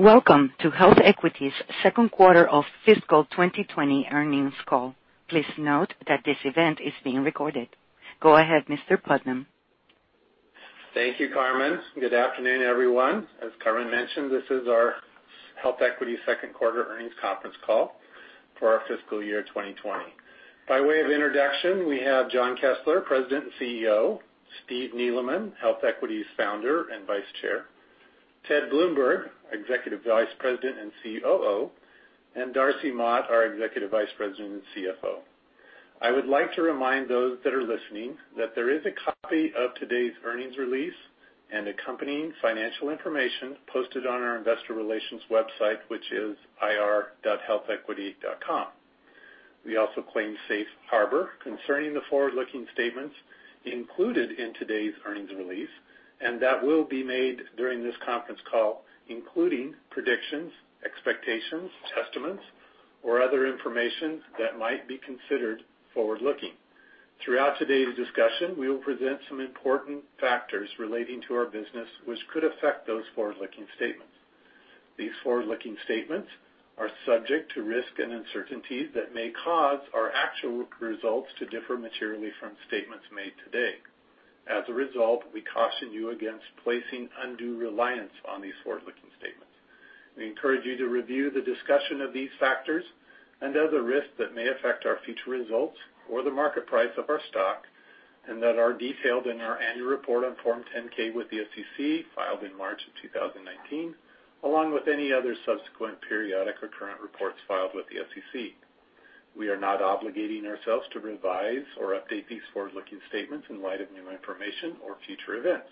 Welcome to HealthEquity's second quarter of fiscal 2020 earnings call. Please note that this event is being recorded. Go ahead, Mr. Putnam. Thank you, Carmen. Good afternoon, everyone. As Carmen mentioned, this is our HealthEquity second quarter earnings conference call for our fiscal year 2020. By way of introduction, we have Jon Kessler, President and CEO, Steve Neeleman, HealthEquity's Founder and Vice Chair, Ted Bloomberg, Executive Vice President and COO, and Darcy Mott, our Executive Vice President and CFO. I would like to remind those that are listening that there is a copy of today's earnings release and accompanying financial information posted on our investor relations website, which is ir.healthequity.com. We also claim Safe Harbor concerning the forward-looking statements included in today's earnings release, and that will be made during this conference call, including predictions, expectations, testaments or other information that might be considered forward-looking. Throughout today's discussion, we will present some important factors relating to our business, which could affect those forward-looking statements. These forward-looking statements are subject to risks and uncertainties that may cause our actual results to differ materially from statements made today. As a result, we caution you against placing undue reliance on these forward-looking statements. We encourage you to review the discussion of these factors and other risks that may affect our future results or the market price of our stock, and that are detailed in our annual report on Form 10-K with the SEC, filed in March of 2019, along with any other subsequent, periodic, or current reports filed with the SEC. We are not obligating ourselves to revise or update these forward-looking statements in light of new information or future events.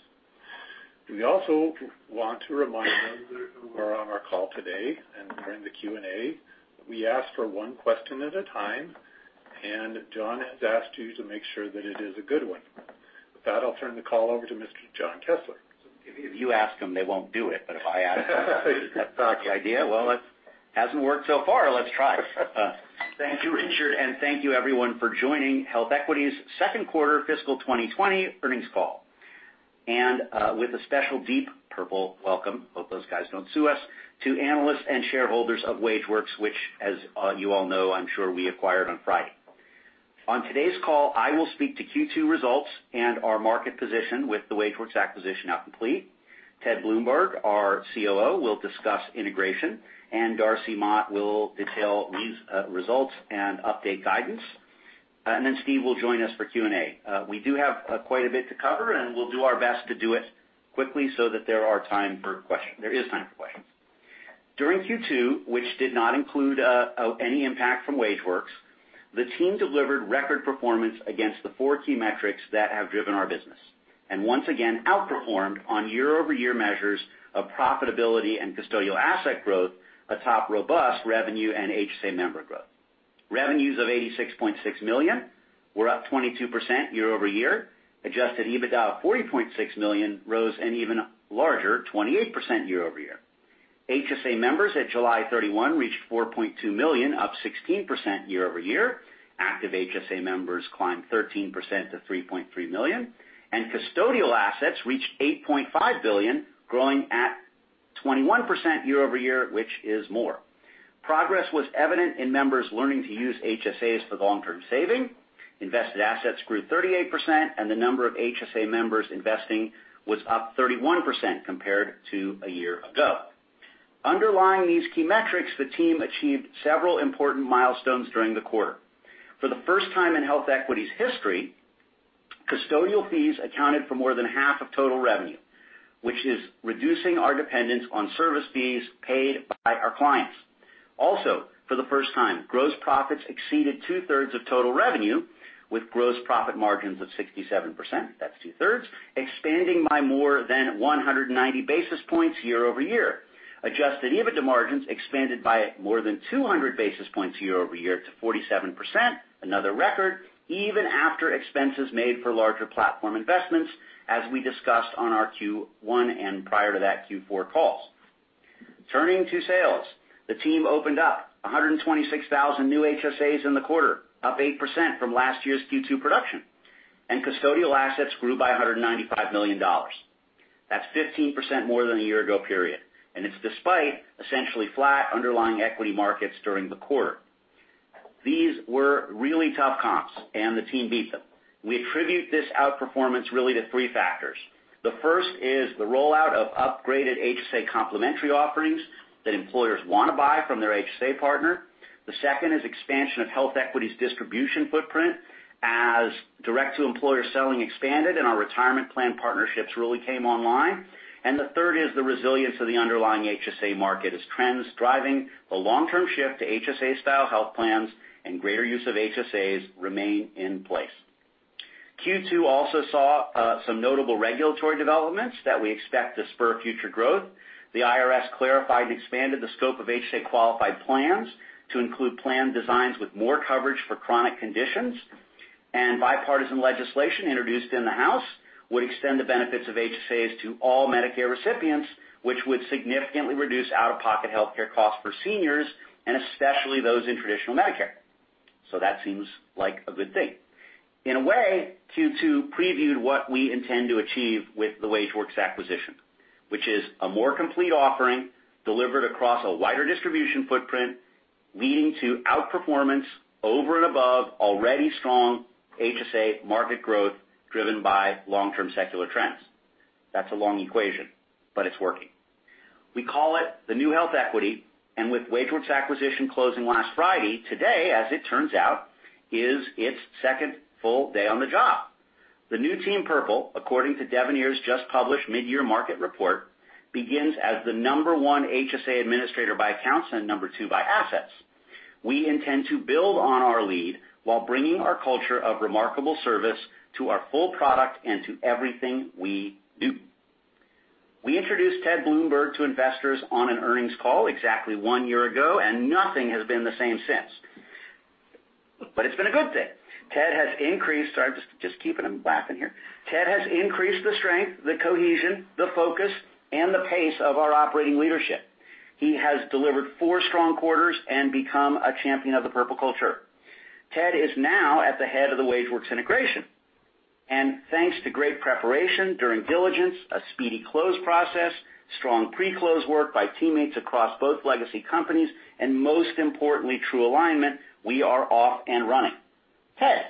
We also want to remind those who are on our call today and during the Q&A, we ask for one question at a time, and Jon has asked you to make sure that it is a good one. With that, I'll turn the call over to Mr. Jon Kessler. If you ask them, they won't do it. If I ask them is that the idea? It hasn't worked so far. Let's try. Thank you, Richard, and thank you everyone for joining HealthEquity's second quarter fiscal 2020 earnings call. With a special deep Purple welcome, hope those guys don't sue us, to analysts and shareholders of WageWorks, which as you all know, I'm sure, we acquired on Friday. On today's call, I will speak to Q2 results and our market position with the WageWorks acquisition now complete. Ted Bloomberg, our COO, will discuss integration, Darcy Mott will detail these results and update guidance. Steve will join us for Q&A. We do have quite a bit to cover, and we'll do our best to do it quickly so that there is time for questions. During Q2, which did not include any impact from WageWorks, the team delivered record performance against the four key metrics that have driven our business. Once again, outperformed on year-over-year measures of profitability and custodial asset growth, atop robust revenue and HSA member growth. Revenues of $86.6 million were up 22% year-over-year. Adjusted EBITDA of $40.6 million rose an even larger 28% year-over-year. HSA members at July 31 reached 4.2 million, up 16% year-over-year. Active HSA members climbed 13% to 3.3 million, and custodial assets reached 8.5 billion, growing at 21% year-over-year, which is more. Progress was evident in members learning to use HSAs for long-term saving. Invested assets grew 38%, and the number of HSA members investing was up 31% compared to a year ago. Underlying these key metrics, the team achieved several important milestones during the quarter. For the first time in HealthEquity's history, custodial fees accounted for more than half of total revenue, which is reducing our dependence on service fees paid by our clients. For the first time, gross profits exceeded two-thirds of total revenue, with gross profit margins of 67%, that's two-thirds, expanding by more than 190 basis points year-over-year. Adjusted EBITDA margins expanded by more than 200 basis points year-over-year to 47%, another record, even after expenses made for larger platform investments, as we discussed on our Q1 and prior to that, Q4 calls. Turning to sales, the team opened up 126,000 new HSAs in the quarter, up 8% from last year's Q2 production. Custodial assets grew by $195 million. That's 15% more than a year ago period, and it's despite essentially flat underlying equity markets during the quarter. These were really tough comps. The team beat them. We attribute this outperformance really to three factors. The first is the rollout of upgraded HSA complementary offerings that employers want to buy from their HSA partner. The second is expansion of HealthEquity's distribution footprint as direct-to-employer selling expanded and our retirement plan partnerships really came online. The third is the resilience of the underlying HSA market as trends driving the long-term shift to HSA-style health plans and greater use of HSAs remain in place. Q2 also saw some notable regulatory developments that we expect to spur future growth. The IRS clarified and expanded the scope of HSA-qualified plans to include plan designs with more coverage for chronic conditions, and bipartisan legislation introduced in the House would extend the benefits of HSAs to all Medicare recipients, which would significantly reduce out-of-pocket healthcare costs for seniors, and especially those in traditional Medicare. That seems like a good thing. In a way, Q2 previewed what we intend to achieve with the WageWorks acquisition, which is a more complete offering delivered across a wider distribution footprint, leading to outperformance over and above already strong HSA market growth driven by long-term secular trends. That's a long equation, but it's working. We call it the new HealthEquity, and with WageWorks acquisition closing last Friday, today, as it turns out, is its second full day on the job. The new team Purple, according to Devenir's just-published mid-year market report, begins as the number 1 HSA administrator by accounts and number 2 by assets. We intend to build on our lead while bringing our culture of remarkable service to our full product and to everything we do. We introduced Ted Bloomberg to investors on an earnings call exactly one year ago, and nothing has been the same since. It's been a good thing. Ted has increased the strength, the cohesion, the focus, and the pace of our operating leadership. He has delivered four strong quarters and become a champion of the Purple culture. Ted is now at the head of the WageWorks integration. Thanks to great preparation during diligence, a speedy close process, strong pre-close work by teammates across both legacy companies, and most importantly, true alignment, we are off and running. Ted?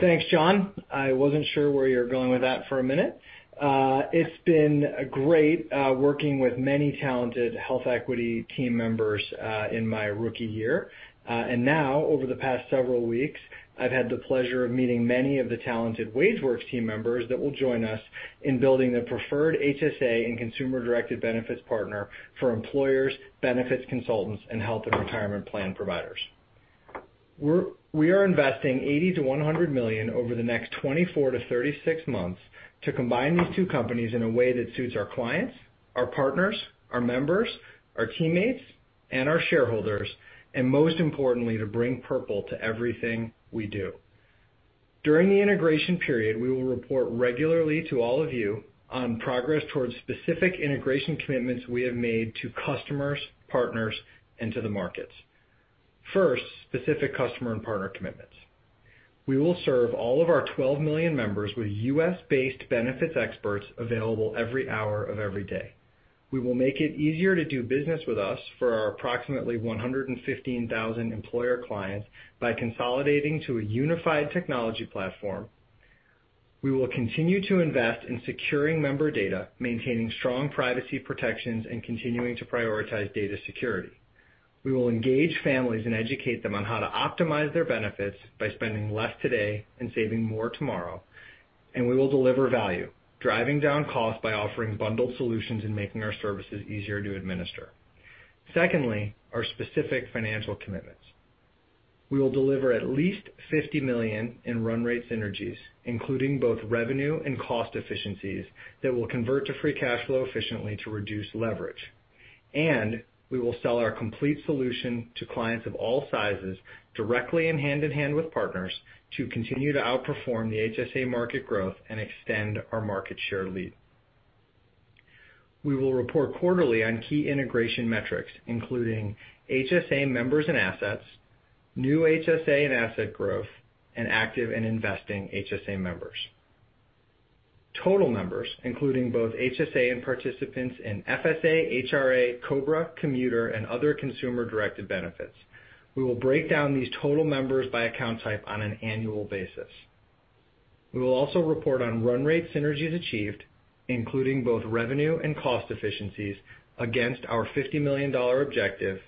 Thanks, Jon. I wasn't sure where you were going with that for a minute. It's been great working with many talented HealthEquity team members in my rookie year. Now, over the past several weeks, I've had the pleasure of meeting many of the talented WageWorks team members that will join us in building the preferred HSA and consumer-directed benefits partner for employers, benefits consultants, and health and retirement plan providers. We are investing $80 million-$100 million over the next 24-36 months to combine these two companies in a way that suits our clients, our partners, our members, our teammates, and our shareholders, and most importantly, to bring Purple to everything we do. During the integration period, we will report regularly to all of you on progress towards specific integration commitments we have made to customers, partners, and to the markets. First, specific customer and partner commitments. We will serve all of our 12 million members with U.S.-based benefits experts available every hour of every day. We will make it easier to do business with us for our approximately 115,000 employer clients by consolidating to a unified technology platform. We will continue to invest in securing member data, maintaining strong privacy protections, and continuing to prioritize data security. We will engage families and educate them on how to optimize their benefits by spending less today and saving more tomorrow. We will deliver value, driving down costs by offering bundled solutions and making our services easier to administer. Secondly, our specific financial commitments. We will deliver at least $50 million in run rate synergies, including both revenue and cost efficiencies that will convert to free cash flow efficiently to reduce leverage. We will sell our complete solution to clients of all sizes directly and hand in hand with partners to continue to outperform the HSA market growth and extend our market share lead. We will report quarterly on key integration metrics, including HSA members and assets, new HSA and asset growth, and active and investing HSA members. Total members, including both HSA and participants in FSA, HRA, COBRA, commuter, and other consumer-directed benefits. We will break down these total members by account type on an annual basis. We will also report on run rate synergies achieved, including both revenue and cost efficiencies against our $50 million objective.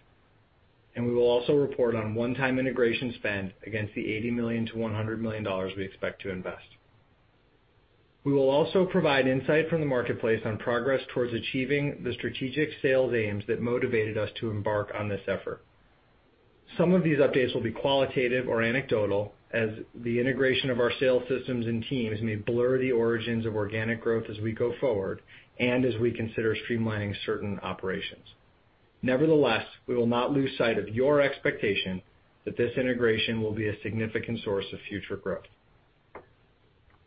We will also report on one-time integration spend against the $80 million-$100 million we expect to invest. We will also provide insight from the marketplace on progress towards achieving the strategic sales aims that motivated us to embark on this effort. Some of these updates will be qualitative or anecdotal, as the integration of our sales systems and teams may blur the origins of organic growth as we go forward and as we consider streamlining certain operations. Nevertheless, we will not lose sight of your expectation that this integration will be a significant source of future growth.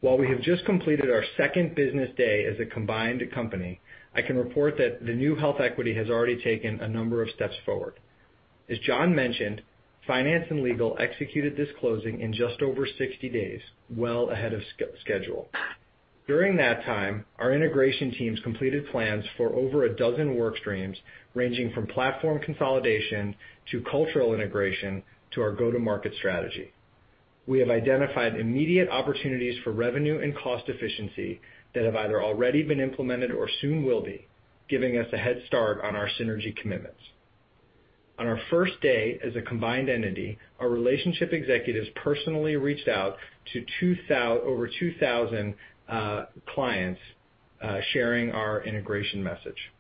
While we have just completed our second business day as a combined company, I can report that the new HealthEquity has already taken a number of steps forward. As Jon mentioned, finance and legal executed this closing in just over 60 days, well ahead of schedule. During that time, our integration teams completed plans for over a dozen work streams, ranging from platform consolidation to cultural integration to our go-to-market strategy. We have identified immediate opportunities for revenue and cost efficiency that have either already been implemented or soon will be, giving us a head start on our synergy commitments. On our first day as a combined entity, our relationship executives personally reached out to over 2,000 clients, sharing our integration message.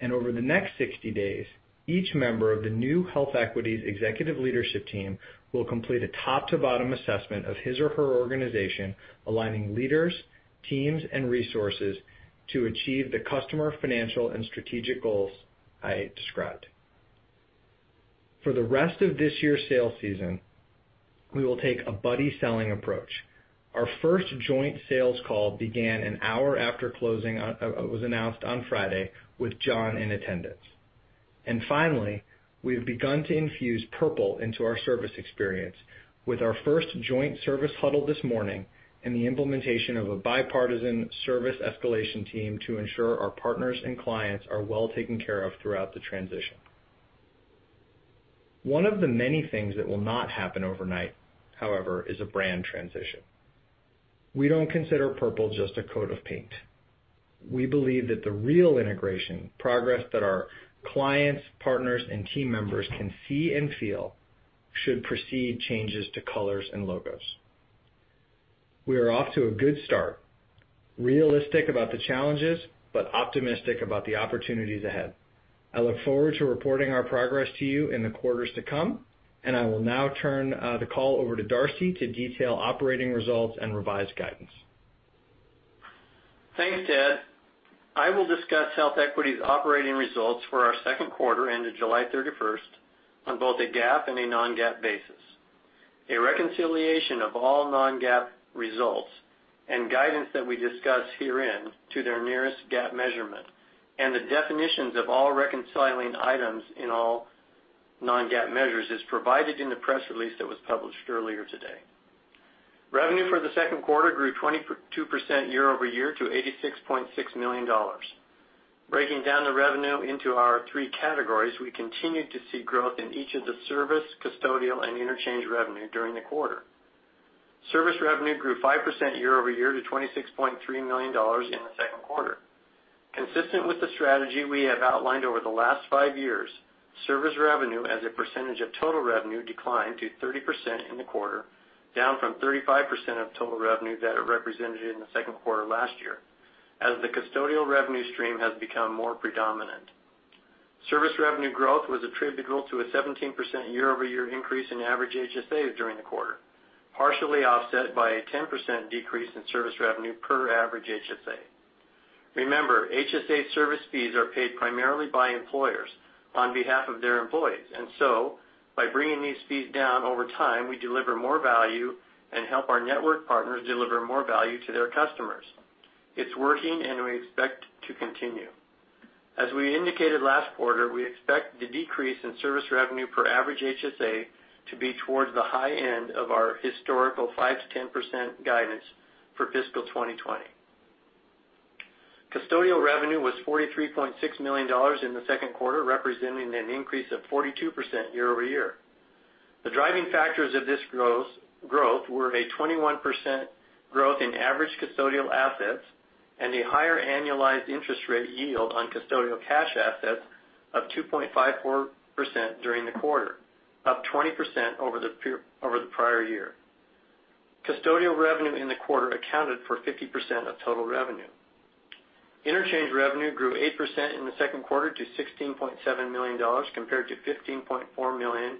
Over the next 60 days, each member of the new HealthEquity's executive leadership team will complete a top-to-bottom assessment of his or her organization, aligning leaders, teams, and resources to achieve the customer financial and strategic goals I described. For the rest of this year's sales season, we will take a buddy selling approach. Our first joint sales call began an hour after closing was announced on Friday with Jon in attendance. Finally, we have begun to infuse Purple into our service experience with our first joint service huddle this morning and the implementation of a bipartisan service escalation team to ensure our partners and clients are well taken care of throughout the transition. One of the many things that will not happen overnight, however, is a brand transition. We don't consider Purple just a coat of paint. We believe that the real integration progress that our clients, partners, and team members can see and feel should precede changes to colors and logos. We are off to a good start. Realistic about the challenges, but optimistic about the opportunities ahead. I look forward to reporting our progress to you in the quarters to come, and I will now turn the call over to Darcy to detail operating results and revised guidance. Thanks, Ted. I will discuss HealthEquity's operating results for our second quarter into July 31st on both a GAAP and a non-GAAP basis. A reconciliation of all non-GAAP results and guidance that we discuss herein to their nearest GAAP measurement and the definitions of all reconciling items in all non-GAAP measures is provided in the press release that was published earlier today. Revenue for the second quarter grew 22% year-over-year to $86.6 million. Breaking down the revenue into our three categories, we continued to see growth in each of the service, custodial, and interchange revenue during the quarter. Service revenue grew 5% year-over-year to $26.3 million in the second quarter. Consistent with the strategy we have outlined over the last five years, service revenue as a percentage of total revenue declined to 30% in the quarter, down from 35% of total revenue that it represented in the second quarter last year, as the custodial revenue stream has become more predominant. Service revenue growth was attributable to a 17% year-over-year increase in average HSAs during the quarter, partially offset by a 10% decrease in service revenue per average HSA. Remember, HSA service fees are paid primarily by employers on behalf of their employees, and so by bringing these fees down over time, we deliver more value and help our network partners deliver more value to their customers. It's working, and we expect to continue. As we indicated last quarter, we expect the decrease in service revenue per average HSA to be towards the high end of our historical 5%-10% guidance for fiscal 2020. Custodial revenue was $43.6 million in the second quarter, representing an increase of 42% year-over-year. The driving factors of this growth were a 21% growth in average custodial assets and a higher annualized interest rate yield on custodial cash assets of 2.54% during the quarter, up 20% over the prior year. Custodial revenue in the quarter accounted for 50% of total revenue. Interchange revenue grew 8% in the second quarter to $16.7 million compared to $15.4 million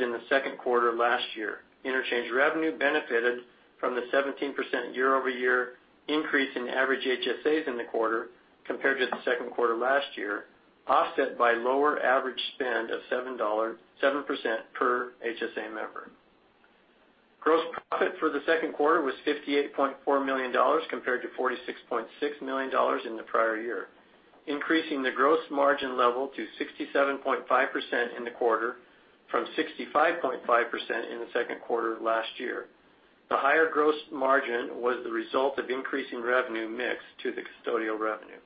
in the second quarter last year. Interchange revenue benefited from the 17% year-over-year increase in average HSAs in the quarter compared to the second quarter last year, offset by lower average spend of 7% per HSA member. Gross profit for the second quarter was $58.4 million compared to $46.6 million in the prior year, increasing the gross margin level to 67.5% in the quarter from 65.5% in the second quarter last year. The higher gross margin was the result of increasing revenue mix to the custodial revenue.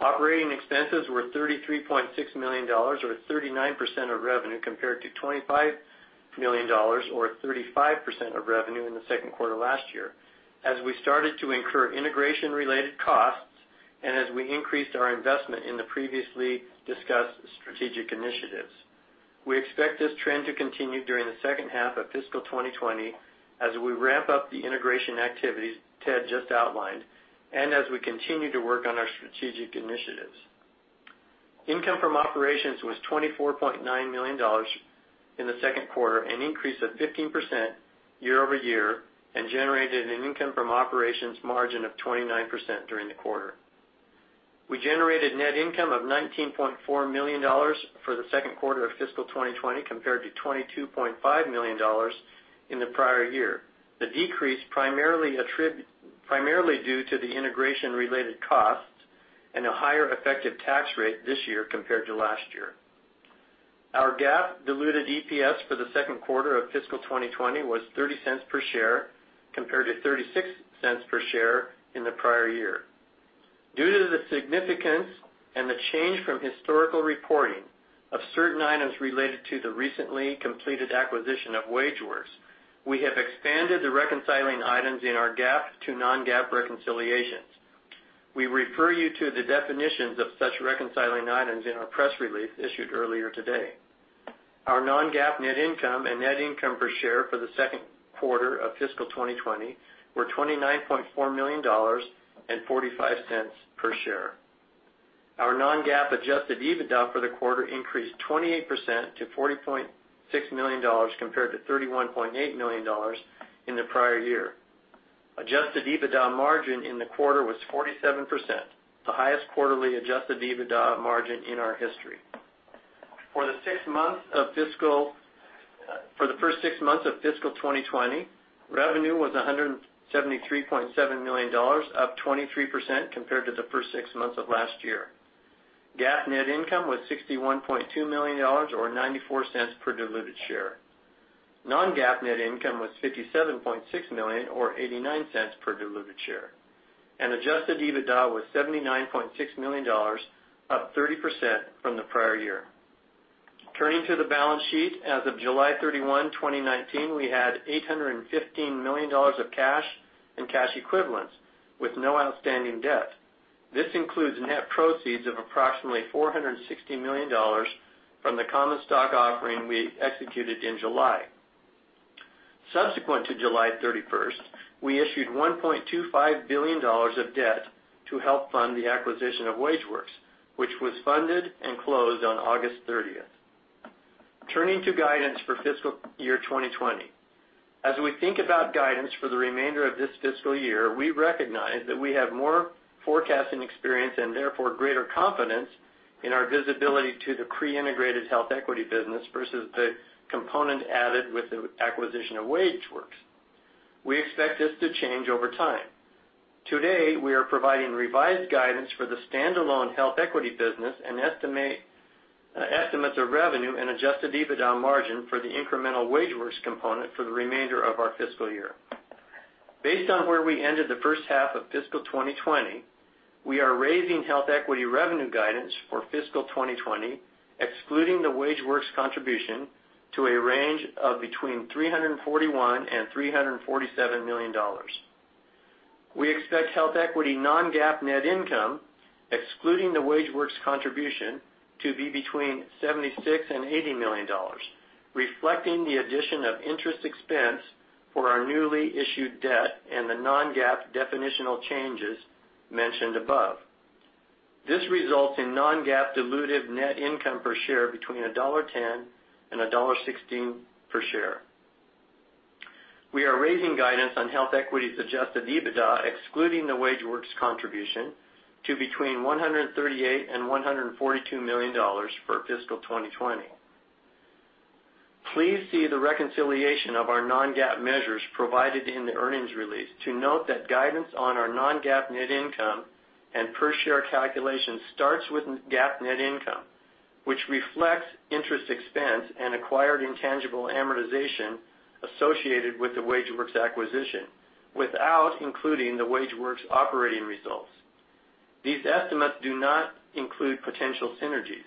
Operating expenses were $33.6 million, or 39% of revenue, compared to $25 million or 35% of revenue in the second quarter last year as we started to incur integration related costs and as we increased our investment in the previously discussed strategic initiatives. We expect this trend to continue during the second half of fiscal 2020 as we ramp up the integration activities Ted just outlined and as we continue to work on our strategic initiatives. Income from operations was $24.9 million in the second quarter, an increase of 15% year-over-year, and generated an income from operations margin of 29% during the quarter. We generated net income of $19.4 million for the second quarter of fiscal 2020, compared to $22.5 million in the prior year. The decrease primarily due to the integration related costs and a higher effective tax rate this year compared to last year. Our GAAP diluted EPS for the second quarter of fiscal 2020 was $0.30 per share compared to $0.36 per share in the prior year. Due to the significance and the change from historical reporting of certain items related to the recently completed acquisition of WageWorks, we have expanded the reconciling items in our GAAP to non-GAAP reconciliations. We refer you to the definitions of such reconciling items in our press release issued earlier today. Our non-GAAP net income and net income per share for the second quarter of fiscal 2020 were $29.4 million and $0.45 per share. Our non-GAAP adjusted EBITDA for the quarter increased 28% to $40.6 million compared to $31.8 million in the prior year. Adjusted EBITDA margin in the quarter was 47%, the highest quarterly adjusted EBITDA margin in our history. For the first six months of fiscal 2020, revenue was $173.7 million, up 23% compared to the first six months of last year. GAAP net income was $61.2 million, or $0.94 per diluted share. Non-GAAP net income was $57.6 million, or $0.89 per diluted share. Adjusted EBITDA was $79.6 million, up 30% from the prior year. Turning to the balance sheet, as of July 31, 2019, we had $815 million of cash and cash equivalents with no outstanding debt. This includes net proceeds of approximately $460 million from the common stock offering we executed in July. Subsequent to July 31, we issued $1.25 billion of debt to help fund the acquisition of WageWorks, which was funded and closed on August 30. Turning to guidance for fiscal year 2020. As we think about guidance for the remainder of this fiscal year, we recognize that we have more forecasting experience and therefore greater confidence in our visibility to the pre-integrated HealthEquity business versus the component added with the acquisition of WageWorks. We expect this to change over time. Today, we are providing revised guidance for the standalone HealthEquity business and estimates of revenue and adjusted EBITDA margin for the incremental WageWorks component for the remainder of our fiscal year. Based on where we ended the first half of fiscal 2020, we are raising HealthEquity revenue guidance for fiscal 2020, excluding the WageWorks contribution, to a range of between $341 and $347 million. We expect HealthEquity non-GAAP net income, excluding the WageWorks contribution, to be between $76 and $80 million, reflecting the addition of interest expense for our newly issued debt and the non-GAAP definitional changes mentioned above. This results in non-GAAP diluted net income per share between $1.10 and $1.16 per share. We are raising guidance on HealthEquity's adjusted EBITDA, excluding the WageWorks contribution, to between $138 and $142 million for fiscal 2020. Please see the reconciliation of our non-GAAP measures provided in the earnings release to note that guidance on our non-GAAP net income and per share calculation starts with GAAP net income, which reflects interest expense and acquired intangible amortization associated with the WageWorks acquisition, without including the WageWorks operating results. These estimates do not include potential synergies.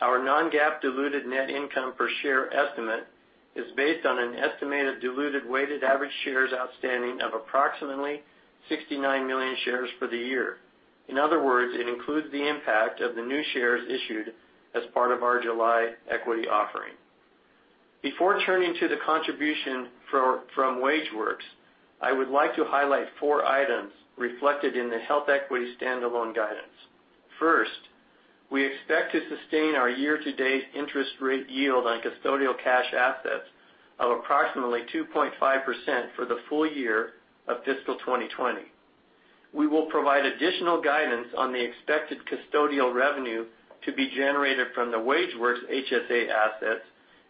Our non-GAAP diluted net income per share estimate is based on an estimated diluted weighted average shares outstanding of approximately 69 million shares for the year. In other words, it includes the impact of the new shares issued as part of our July equity offering. Before turning to the contribution from WageWorks, I would like to highlight four items reflected in the HealthEquity standalone guidance. First, we expect to sustain our year-to-date interest rate yield on custodial cash assets of approximately 2.5% for the full year of fiscal 2020. We will provide additional guidance on the expected custodial revenue to be generated from the WageWorks HSA assets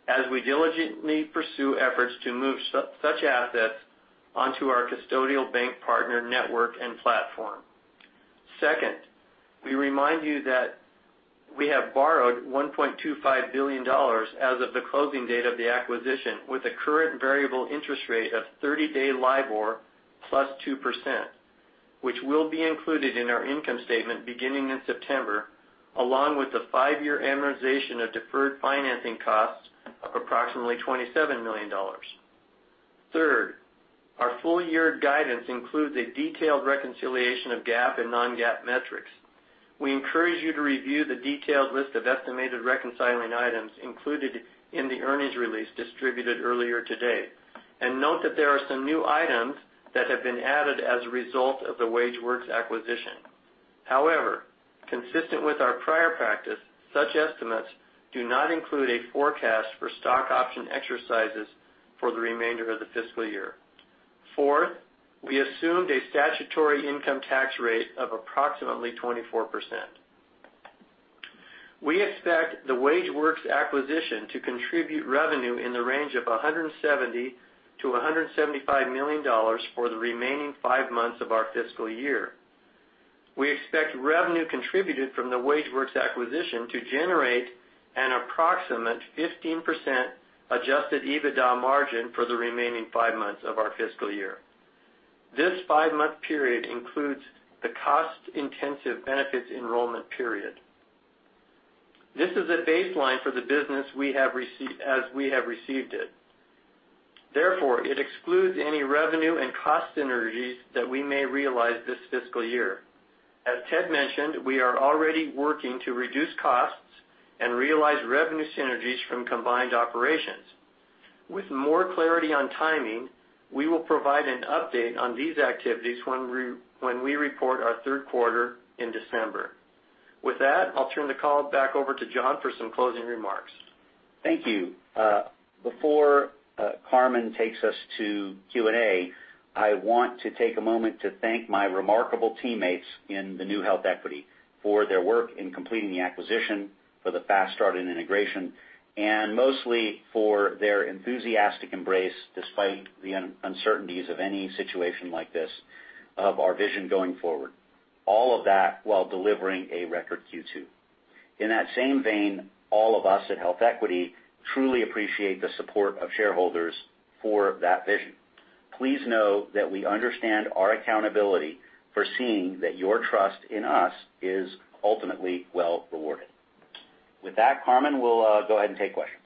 as we diligently pursue efforts to move such assets onto our custodial bank partner network and platform. Second, we remind you that we have borrowed $1.25 billion as of the closing date of the acquisition with a current variable interest rate of 30-day LIBOR plus 2%, which will be included in our income statement beginning in September, along with the five-year amortization of deferred financing costs of approximately $27 million. Third, our full-year guidance includes a detailed reconciliation of GAAP and non-GAAP metrics. We encourage you to review the detailed list of estimated reconciling items included in the earnings release distributed earlier today. Note that there are some new items that have been added as a result of the WageWorks acquisition. However, consistent with our prior practice, such estimates do not include a forecast for stock option exercises for the remainder of the fiscal year. Fourth, we assumed a statutory income tax rate of approximately 24%. We expect the WageWorks acquisition to contribute revenue in the range of $170 million to $175 million for the remaining five months of our fiscal year. We expect revenue contributed from the WageWorks acquisition to generate an approximate 15% adjusted EBITDA margin for the remaining five months of our fiscal year. This five-month period includes the cost-intensive benefits enrollment period. This is a baseline for the business as we have received it. Therefore, it excludes any revenue and cost synergies that we may realize this fiscal year. As Ted mentioned, we are already working to reduce costs and realize revenue synergies from combined operations. With more clarity on timing, we will provide an update on these activities when we report our third quarter in December. With that, I'll turn the call back over to Jon for some closing remarks. Thank you. Before Carmen takes us to Q&A, I want to take a moment to thank my remarkable teammates in the new HealthEquity for their work in completing the acquisition, for the fast start and integration, and mostly for their enthusiastic embrace, despite the uncertainties of any situation like this, of our vision going forward. All of that while delivering a record Q2. In that same vein, all of us at HealthEquity truly appreciate the support of shareholders for that vision. Please know that we understand our accountability for seeing that your trust in us is ultimately well rewarded. With that, Carmen, we'll go ahead and take questions.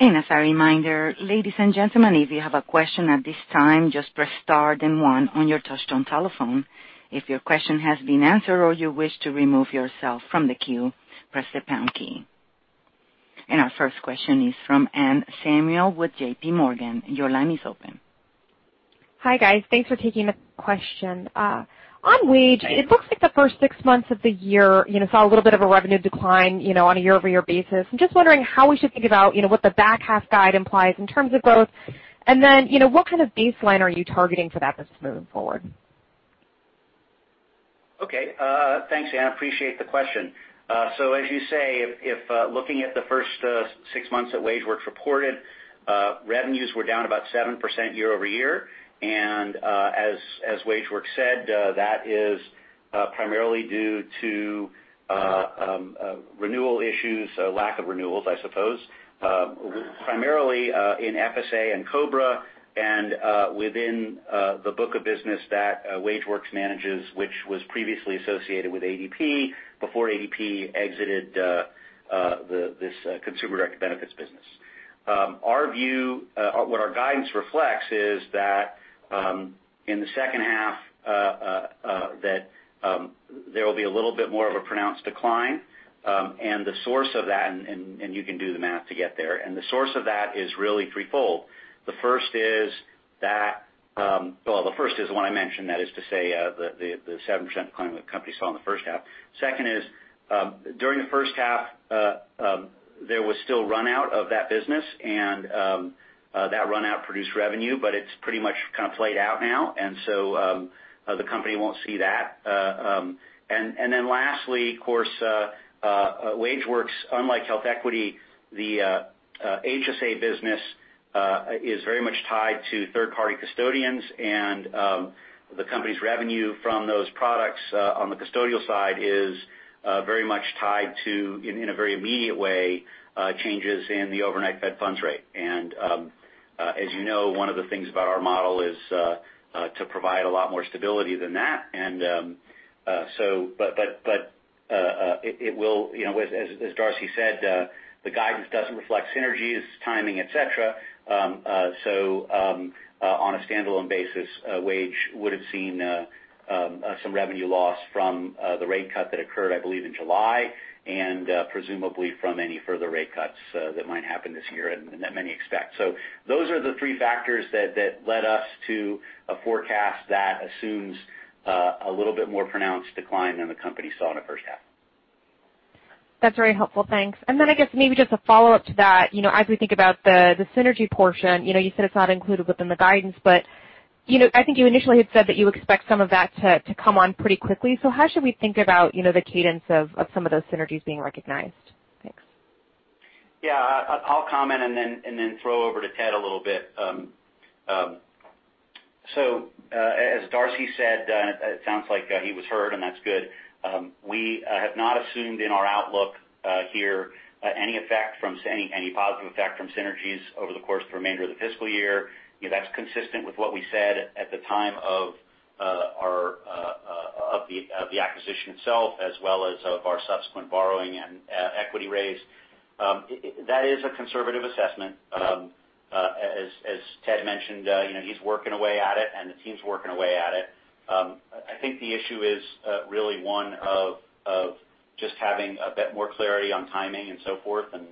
As a reminder, ladies and gentlemen, if you have a question at this time, just press star then one on your touch-tone telephone. If your question has been answered or you wish to remove yourself from the queue, press the pound key. Our first question is from Anne Samuel with JP Morgan. Your line is open. Hi, guys. Thanks for taking the question. On Wage, it looks like the first 6 months of the year saw a little bit of a revenue decline on a year-over-year basis. I'm just wondering how we should think about what the back half guide implies in terms of growth. What kind of baseline are you targeting for that business moving forward? Thanks, Anne, appreciate the question. As you say, if looking at the first 6 months that WageWorks reported, revenues were down about 7% year-over-year, as WageWorks said, that is primarily due to renewal issues, lack of renewals, I suppose. Primarily, in FSA and COBRA and within the book of business that WageWorks manages, which was previously associated with ADP before ADP exited this consumer-directed benefits business. What our guidance reflects is that, in the second half, that there will be a little bit more of a pronounced decline, and the source of that, and you can do the math to get there, and the source of that is really threefold. The first is the one I mentioned, that is to say, the 7% decline that the company saw in the first half. Second is, during the first half, there was still run out of that business, and that run out produced revenue, but it's pretty much kind of played out now. The company won't see that. Lastly, of course, WageWorks, unlike HealthEquity, the HSA business, is very much tied to third-party custodians and the company's revenue from those products, on the custodial side, is very much tied to, in a very immediate way, changes in the overnight Fed funds rate. As you know, one of the things about our model is to provide a lot more stability than that. As Darcy said, the guidance doesn't reflect synergies, timing, et cetera. On a standalone basis, Wage would've seen some revenue loss from the rate cut that occurred, I believe, in July, and presumably from any further rate cuts that might happen this year and that many expect. So those are the 3 factors that led us to a forecast that assumes a little bit more pronounced decline than the company saw in the first half. That's very helpful. Thanks. I guess, maybe just a follow-up to that. As we think about the synergy portion, you said it's not included within the guidance, but I think you initially had said that you expect some of that to come on pretty quickly. How should we think about the cadence of some of those synergies being recognized? Thanks. Yeah, I'll comment and then throw over to Ted a little bit. As Darcy said, it sounds like he was heard, and that's good. We have not assumed in our outlook here any positive effect from synergies over the course of the remainder of the fiscal year. That's consistent with what we said at the time of the acquisition itself, as well as of our subsequent borrowing and equity raise. That is a conservative assessment. As Ted mentioned, he's working away at it, and the team's working away at it. I think the issue is really one of just having a bit more clarity on timing and so forth, and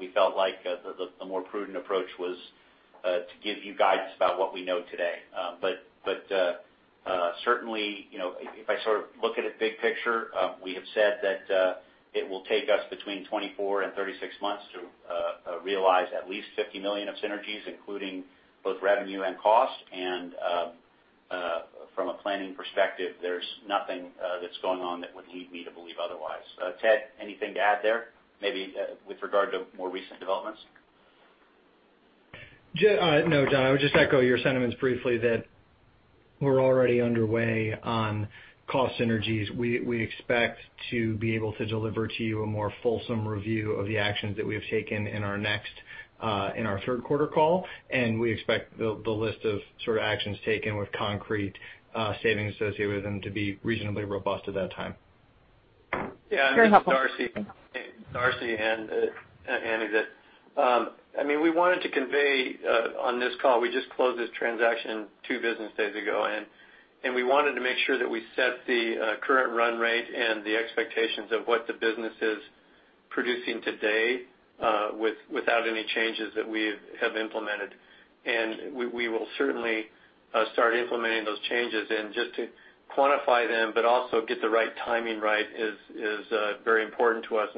we felt like the more prudent approach was to give you guidance about what we know today. Certainly, if I sort of look at it big picture, we have said that it will take us between 24 and 36 months to realize at least $50 million of synergies, including both revenue and cost. From a planning perspective, there's nothing that's going on that would lead me to believe otherwise. Ted, anything to add there, maybe with regard to more recent developments? No, Jon, I would just echo your sentiments briefly that we're already underway on cost synergies. We expect to be able to deliver to you a more fulsome review of the actions that we have taken in our third quarter call, we expect the list of sort of actions taken with concrete savings associated with them to be reasonably robust at that time. Very helpful. Yeah, this is Darcy. Darcy and Andy. We wanted to convey on this call, we just closed this transaction 2 business days ago, and we wanted to make sure that we set the current run rate and the expectations of what the business is Producing today without any changes that we have implemented. We will certainly start implementing those changes and just to quantify them, but also get the right timing right is very important to us.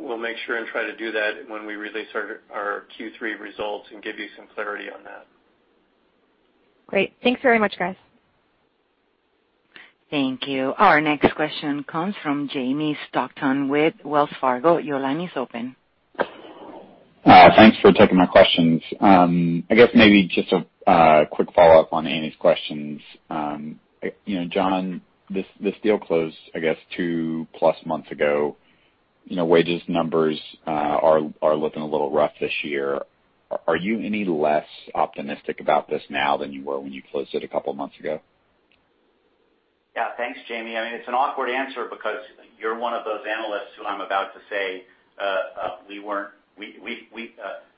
We'll make sure and try to do that when we release our Q3 results and give you some clarity on that. Great. Thanks very much, guys. Thank you. Our next question comes from Jamie Stockton with Wells Fargo. Your line is open. Thanks for taking my questions. I guess maybe just a quick follow-up on Anne's questions. Jon, this deal closed, I guess, two-plus months ago. WageWorks' numbers are looking a little rough this year. Are you any less optimistic about this now than you were when you closed it a couple of months ago? Yeah. Thanks, Jamie. It's an awkward answer because you're one of those analysts who I'm about to say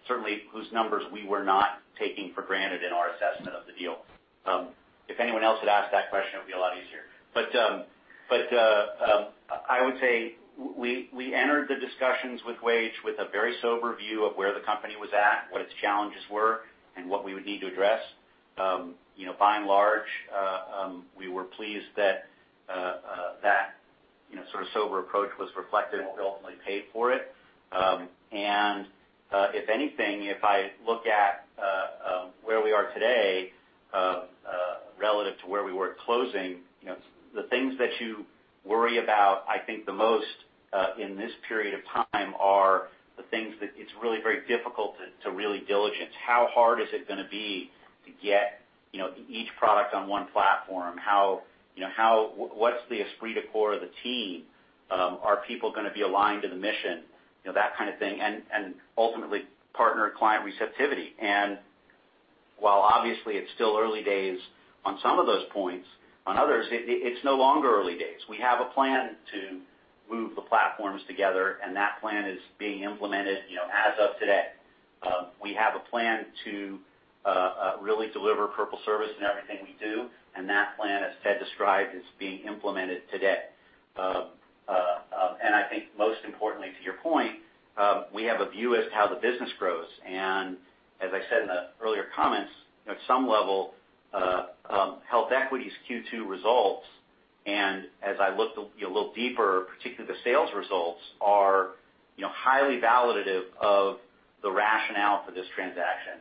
certainly whose numbers we were not taking for granted in our assessment of the deal. If anyone else had asked that question, it would be a lot easier. I would say we entered the discussions with WageWorks with a very sober view of where the company was at, what its challenges were, and what we would need to address. By and large, we were pleased that sort of sober approach was reflected and ultimately paid for it. If anything, if I look at where we are today, relative to where we were at closing, the things that you worry about, I think the most, in this period of time are the things that it's really very difficult to really diligence. How hard is it going to be to get each product on one platform? What's the esprit de corps of the team? Are people going to be aligned to the mission? That kind of thing. Ultimately, partner client receptivity. While obviously it's still early days on some of those points, on others, it's no longer early days. We have a plan to move the platforms together, and that plan is being implemented as of today. We have a plan to really deliver Purple service in everything we do, and that plan, as Ted described, is being implemented today. I think most importantly to your point, we have a view as to how the business grows. As I said in the earlier comments, at some level, HealthEquity's Q2 results, and as I looked a little deeper, particularly the sales results are highly validative of the rationale for this transaction.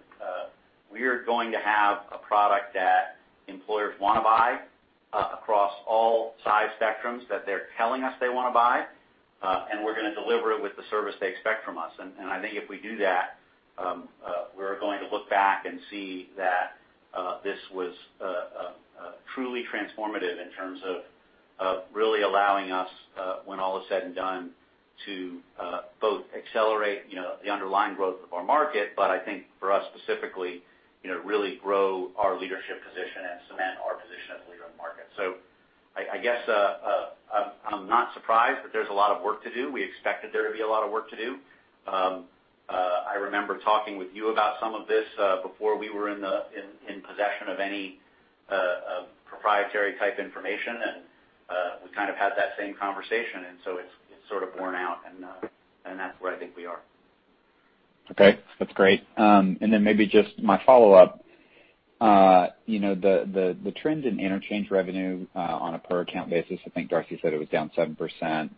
We're going to have a product that employers want to buy across all size spectrums that they're telling us they want to buy, and we're going to deliver it with the service they expect from us. I think if we do that, we're going to look back and see that this was truly transformative in terms of really allowing us, when all is said and done, to both accelerate the underlying growth of our market. I think for us specifically, really grow our leadership position and cement our position as a leader in the market. I guess I'm not surprised, but there's a lot of work to do. We expected there to be a lot of work to do. I remember talking with you about some of this before we were in possession of any proprietary type information, and we kind of had that same conversation, and so it's sort of borne out, and that's where I think we are. Okay. That's great. Then maybe just my follow-up. The trends in interchange revenue on a per account basis, I think Darcy said it was down 7%.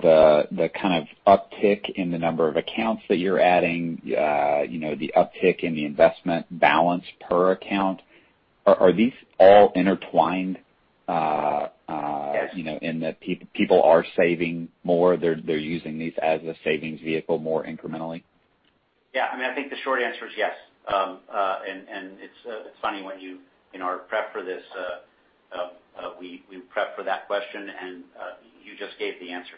The kind of uptick in the number of accounts that you're adding, the uptick in the investment balance per account, are these all intertwined- Yes in that people are saving more, they're using these as a savings vehicle more incrementally? Yeah. I think the short answer is yes. It's funny when you, in our prep for this, we prepped for that question, and you just gave the answer.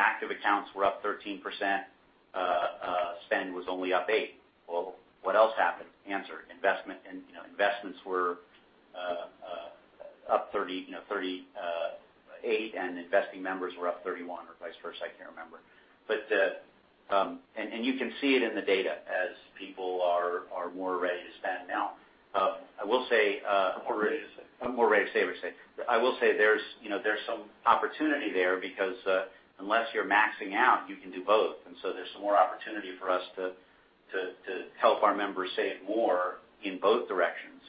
Active accounts were up 13%, spend was only up eight. Well, what else happened? Answer, investments were up 38, and investing members were up 31, or vice versa, I can't remember. You can see it in the data as people are more ready to spend now. I will say. More ready to save. More ready to save or spend. I will say there's some opportunity there because unless you're maxing out, you can do both. There's some more opportunity for us to help our members save more in both directions.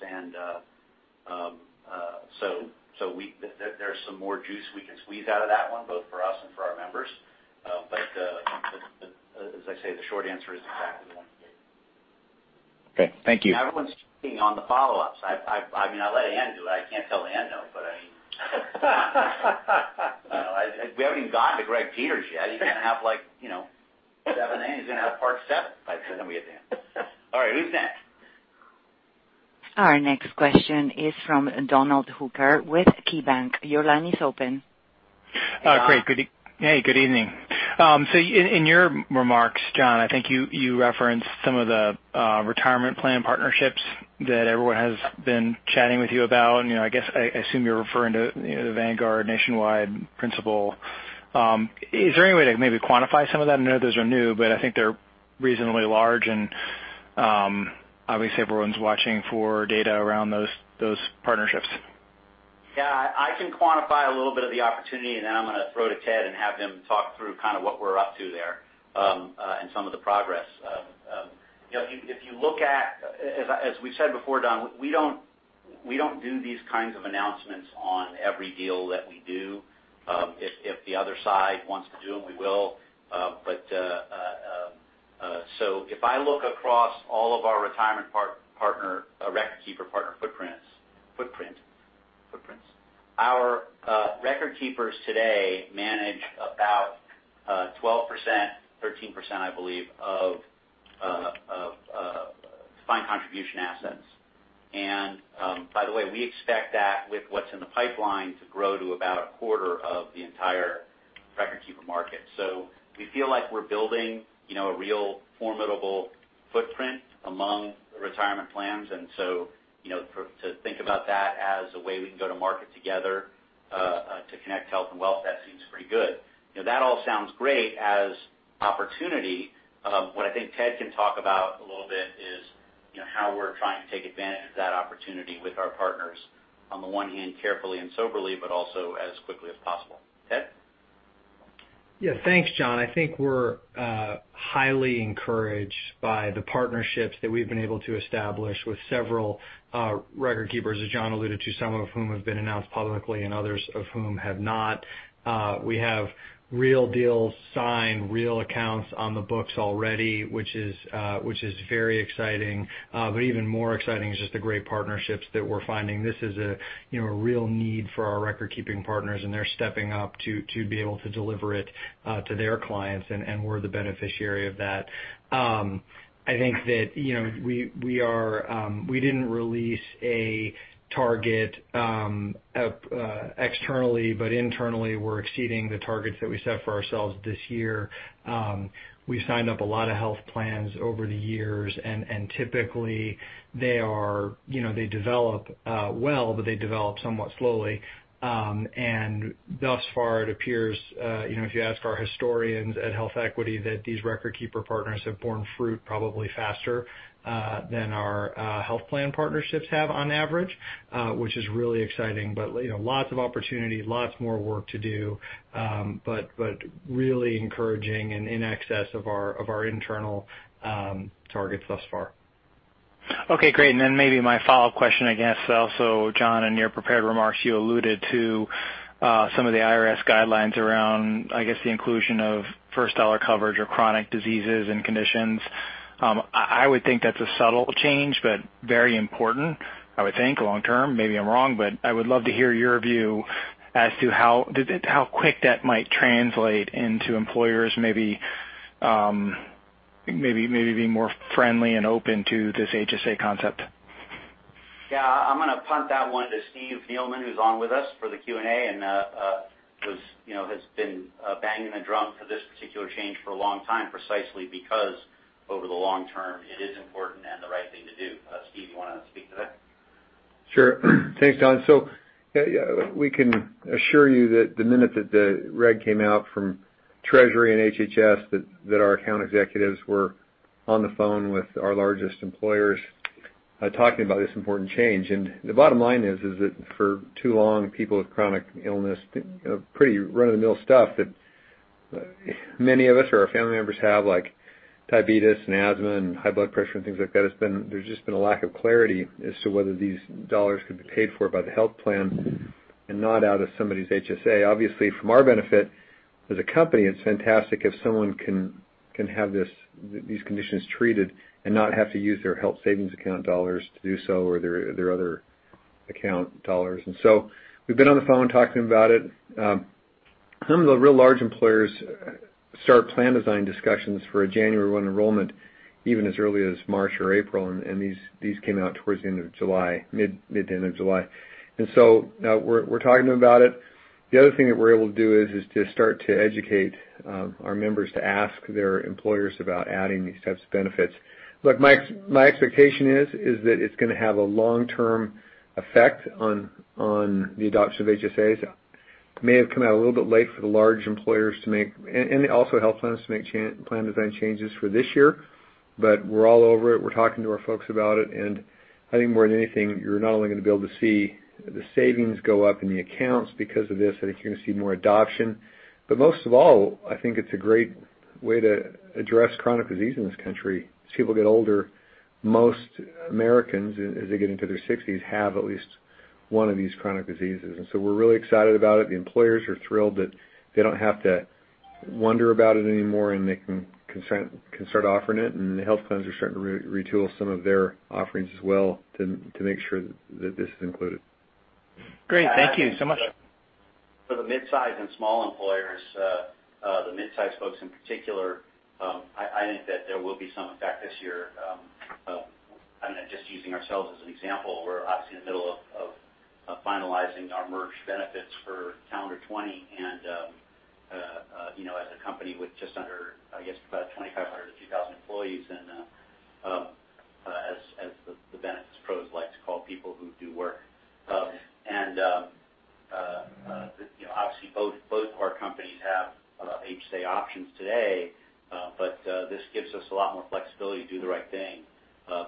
There's some more juice we can squeeze out of that one, both for us and for our members. As I say, the short answer is exactly the one you gave. Okay. Thank you. Everyone's cheating on the follow-ups. I let Anne do it. I can't tell Anne, though, but I mean. We haven't even gotten to Greg Peters yet. He's going to have seven A's. He's going to have part seven by the time we get to him. All right. Who's next? Our next question is from Donald Hooker with KeyBank. Your line is open. Great. Hey, good evening. In your remarks, Jon, I think you referenced some of the retirement plan partnerships that everyone has been chatting with you about. I assume you're referring to Vanguard Nationwide Principal. Is there any way to maybe quantify some of that? I know those are new, but I think they're reasonably large and obviously everyone's watching for data around those partnerships. I can quantify a little bit of the opportunity, and then I'm gonna throw to Ted and have him talk through kind of what we're up to there, and some of the progress. If you look at as we've said before, Don, we don't do these kinds of announcements on every deal that we do. If the other side wants to do them, we will. If I look across all of our retirement partner record keeper partner footprint. Footprints? Our record keepers today manage about 12%, 13%, I believe, of defined contribution assets. By the way, we expect that with what's in the pipeline to grow to about a quarter of the entire record keeper market. We feel like we're building a real formidable footprint among the retirement plans, to think about that as a way we can go to market together, to connect health and wealth, that seems pretty good. That all sounds great as opportunity. What I think Ted can talk about a little bit is, how we're trying to take advantage of that opportunity with our partners, on the one hand, carefully and soberly, but also as quickly as possible. Ted? Yeah, thanks, Jon. I think we're highly encouraged by the partnerships that we've been able to establish with several record keepers, as Jon alluded to, some of whom have been announced publicly and others of whom have not. We have real deals signed, real accounts on the books already, which is very exciting. But even more exciting is just the great partnerships that we're finding. This is a real need for our record-keeping partners, and they're stepping up to be able to deliver it to their clients, and we're the beneficiary of that. I think that, we didn't release a target externally, but internally, we're exceeding the targets that we set for ourselves this year. We've signed up a lot of health plans over the years, and typically they develop well, but they develop somewhat slowly. And thus far, it appears, if you ask our historians at HealthEquity that these record keeper partners have borne fruit probably faster than our health plan partnerships have on average, which is really exciting. But lots of opportunity, lots more work to do, but really encouraging and in excess of our internal targets thus far. Okay, great. Maybe my follow-up question, I guess, also, Jon, in your prepared remarks, you alluded to some of the IRS guidelines around, I guess, the inclusion of first-dollar coverage of chronic diseases and conditions. I would think that's a subtle change, but very important, I would think, long term. Maybe I'm wrong, but I would love to hear your view as to how quick that might translate into employers maybe being more friendly and open to this HSA concept. Yeah. I'm gonna punt that one to Steve Neeleman, who's on with us for the Q&A and who has been banging the drum for this particular change for a long time, precisely because over the long term, it is important and the right thing to do. Steve, you wanna speak to that? Sure. Thanks, Jon. We can assure you that the minute that the reg came out from Treasury and HHS, that our account executives were on the phone with our largest employers, talking about this important change. The bottom line is that for too long, people with chronic illness, pretty run-of-the-mill stuff that many of us or our family members have, like diabetes and asthma and high blood pressure and things like that, there's just been a lack of clarity as to whether these dollars could be paid for by the health plan and not out of somebody's HSA. Obviously, from our benefit as a company, it's fantastic if someone can have these conditions treated and not have to use their health savings account dollars to do so or their other account dollars. We've been on the phone talking about it. Some of the real large employers start plan design discussions for a January enrollment, even as early as March or April, and these came out towards the end of July, mid-end of July. We're talking about it. The other thing that we're able to do is just start to educate our members to ask their employers about adding these types of benefits. Look, my expectation is that it's gonna have a long-term effect on the adoption of HSAs. It may have come out a little bit late for the large employers and also health plans to make plan design changes for this year. We're all over it. We're talking to our folks about it. I think more than anything, you're not only going to be able to see the savings go up in the accounts because of this, I think you're gonna see more adoption. Most of all, I think it's a great way to address chronic disease in this country. As people get older, most Americans, as they get into their 60s, have at least one of these chronic diseases. We're really excited about it. The employers are thrilled that they don't have to wonder about it anymore, and they can start offering it. The health plans are starting to retool some of their offerings as well to make sure that this is included. Great. Thank you so much. For the mid-size and small employers, the mid-size folks in particular, I think that there will be some effect this year. Then just using ourselves as an example, we're obviously in the middle of finalizing our merged benefits for calendar 2020, and as the ADP likes to call people who do work. Obviously both of our companies have HSA options today. This gives us a lot more flexibility to do the right thing,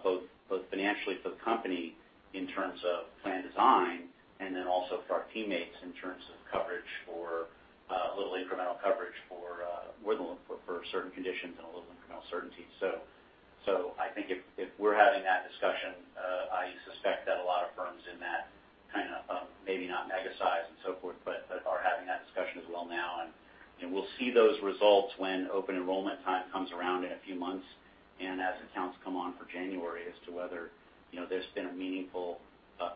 both financially for the company in terms of plan design, and then also for our teammates in terms of coverage for a little incremental coverage for certain conditions and a little incremental certainty. I think if we're having that discussion, I suspect that a lot of firms in that kind of, maybe not mega size and so forth, but are having that discussion as well now. We'll see those results when open enrollment time comes around in a few months, and as accounts come on for January, as to whether there's been a meaningful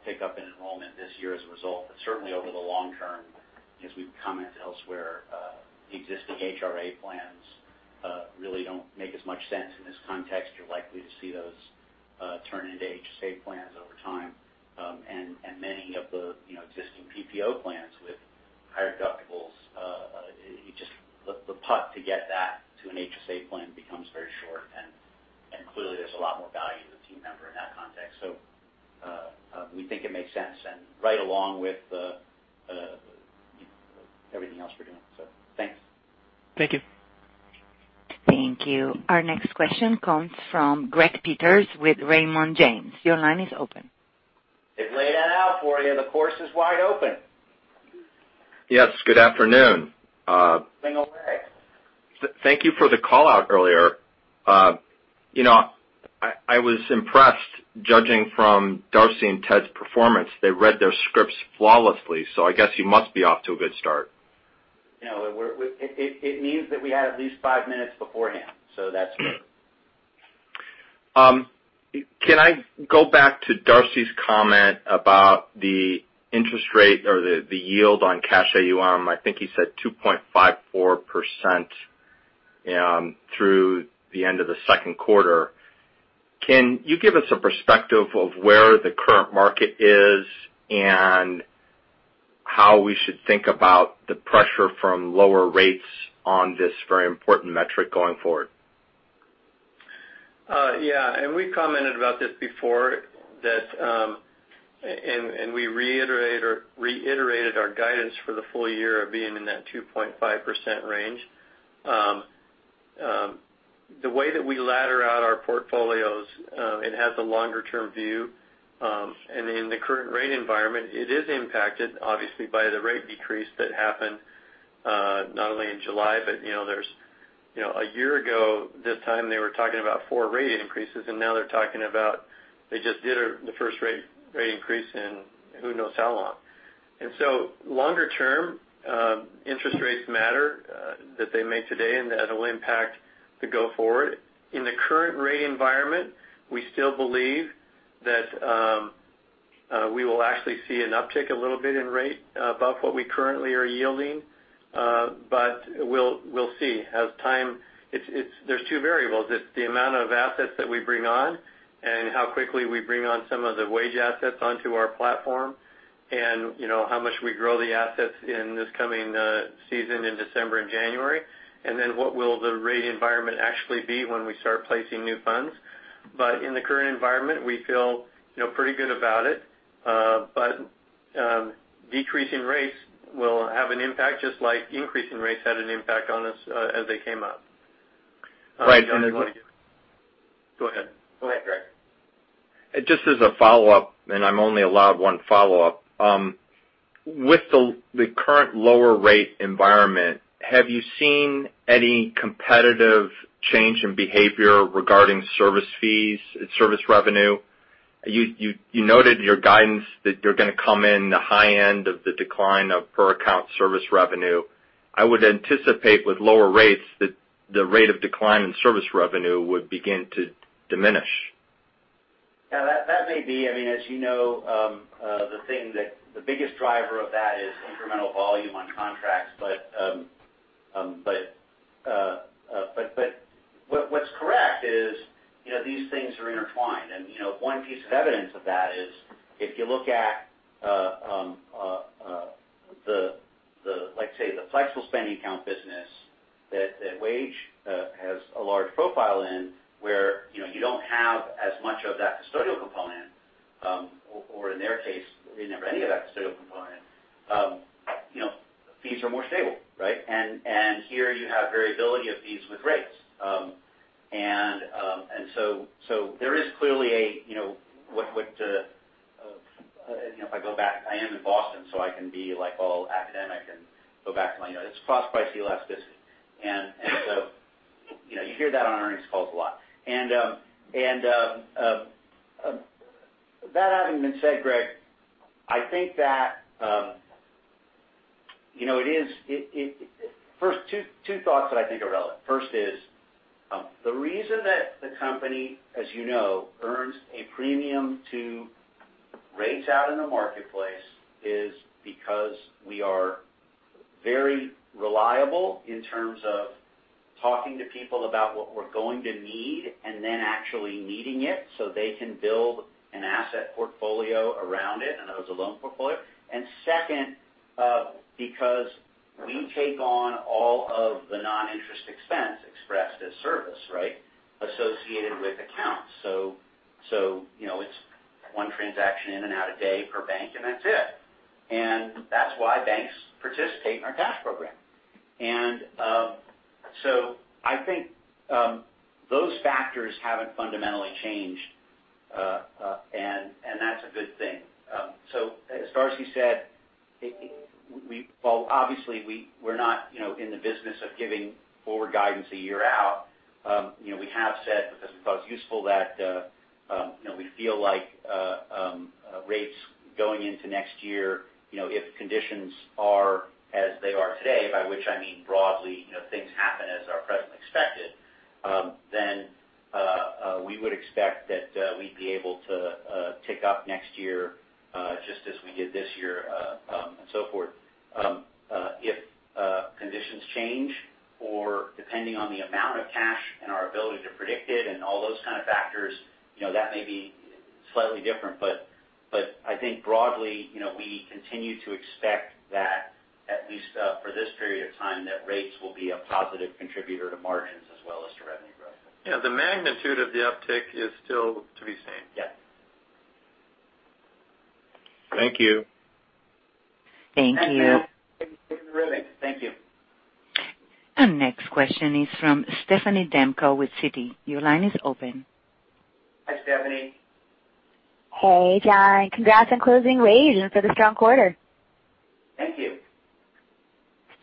pickup in enrollment this year as a result. Certainly over the long term, as we've commented elsewhere, existing HRA plans really don't make as much sense in this context. You're likely to see those turn into HSA plans over time. Many of the existing PPO plans with higher deductibles, the path to get that to an HSA plan becomes very short, and clearly, there's a lot more value to the team member in that context. We think it makes sense, and right along with everything else we're doing. Thanks. Thank you. Thank you. Our next question comes from Greg Peters with Raymond James. Your line is open. They've laid it out for you, and the course is wide open. Yes. Good afternoon. Swing away. Thank you for the call-out earlier. I was impressed, judging from Darcy and Ted's performance. They read their scripts flawlessly. I guess you must be off to a good start. It means that we had at least five minutes beforehand. That's good. Can I go back to Darcy's comment about the interest rate or the yield on cash AUM? I think he said 2.54% through the end of the second quarter. Can you give us a perspective of where the current market is, and how we should think about the pressure from lower rates on this very important metric going forward? Yeah. We've commented about this before, we reiterated our guidance for the full year of being in that 2.5% range. The way that we ladder out our portfolios, it has a longer-term view. In the current rate environment, it is impacted obviously by the rate decrease that happened, not only in July, but a year ago this time, they were talking about four rate increases, now they're talking about they just did the first rate increase in who knows how long. Longer term, interest rates matter, that they made today, that'll impact the go forward. In the current rate environment, we still believe that we will actually see an uptick a little bit in rate above what we currently are yielding. We'll see. There's two variables. It's the amount of assets that we bring on and how quickly we bring on some of the WageWorks assets onto our platform, and how much we grow the assets in this coming season in December and January. What will the rate environment actually be when we start placing new funds? In the current environment, we feel pretty good about it. Decreasing rates will have an impact, just like increasing rates had an impact on us as they came up. Right. Go ahead. Go ahead, Greg. Just as a follow-up, I'm only allowed one follow-up. With the current lower rate environment, have you seen any competitive change in behavior regarding service fees and service revenue? You noted your guidance that you're going to come in the high end of the decline of per-account service revenue. I would anticipate with lower rates that the rate of decline in service revenue would begin to diminish. Yeah, that may be. As you know, the biggest driver of that is incremental volume on contracts. What's correct is these things are intertwined. One piece of evidence of that is if you look at, let's say, the flexible spending account business that Wage has a large profile in, where you don't have as much of that custodial component, or in their case, they never any of that custodial component. Fees are more stable, right? Here you have variability of fees with rates. So there is clearly a, if I go back, I am in Boston, so I can be all academic and go back to my, it's cross-price elasticity. So, you hear that on earnings calls a lot. That having been said, Greg, two thoughts that I think are relevant. First is, the reason that the company, as you know, earns a premium to rates out in the marketplace is because we are very reliable in terms of talking to people about what we're going to need and then actually needing it, so they can build an asset portfolio around it. I know it was a loan portfolio. Second, because we take on all of the non-interest expense expressed as service associated with accounts. It's one transaction in and out a day per bank, and that's it. That's why banks participate in our cash program. I think those factors haven't fundamentally changed, and that's a good thing. As Darcy said, obviously, we're not in the business of giving forward guidance a year out. We have said, because we thought it was useful, that we feel like rates going into next year, if conditions are as they are today, by which I mean broadly, things happen as are presently expected, then we would expect that we'd be able to tick up next year, just as we did this year, and so forth. If conditions change or depending on the amount of cash and our ability to predict it and all those kind of factors, that may be slightly different. I think broadly, we continue to expect that at least for this period of time, that rates will be a positive contributor to margins as well as to revenue growth. Yeah. The magnitude of the uptick is still to be seen. Yes. Thank you. Thank you. Thanks, Matt. Thank you, Riley. Thank you. Our next question is from Stephanie Demko with Citi. Your line is open. Hi, Stephanie. Hey, John. Congrats on closing Wage and for the strong quarter. Thank you.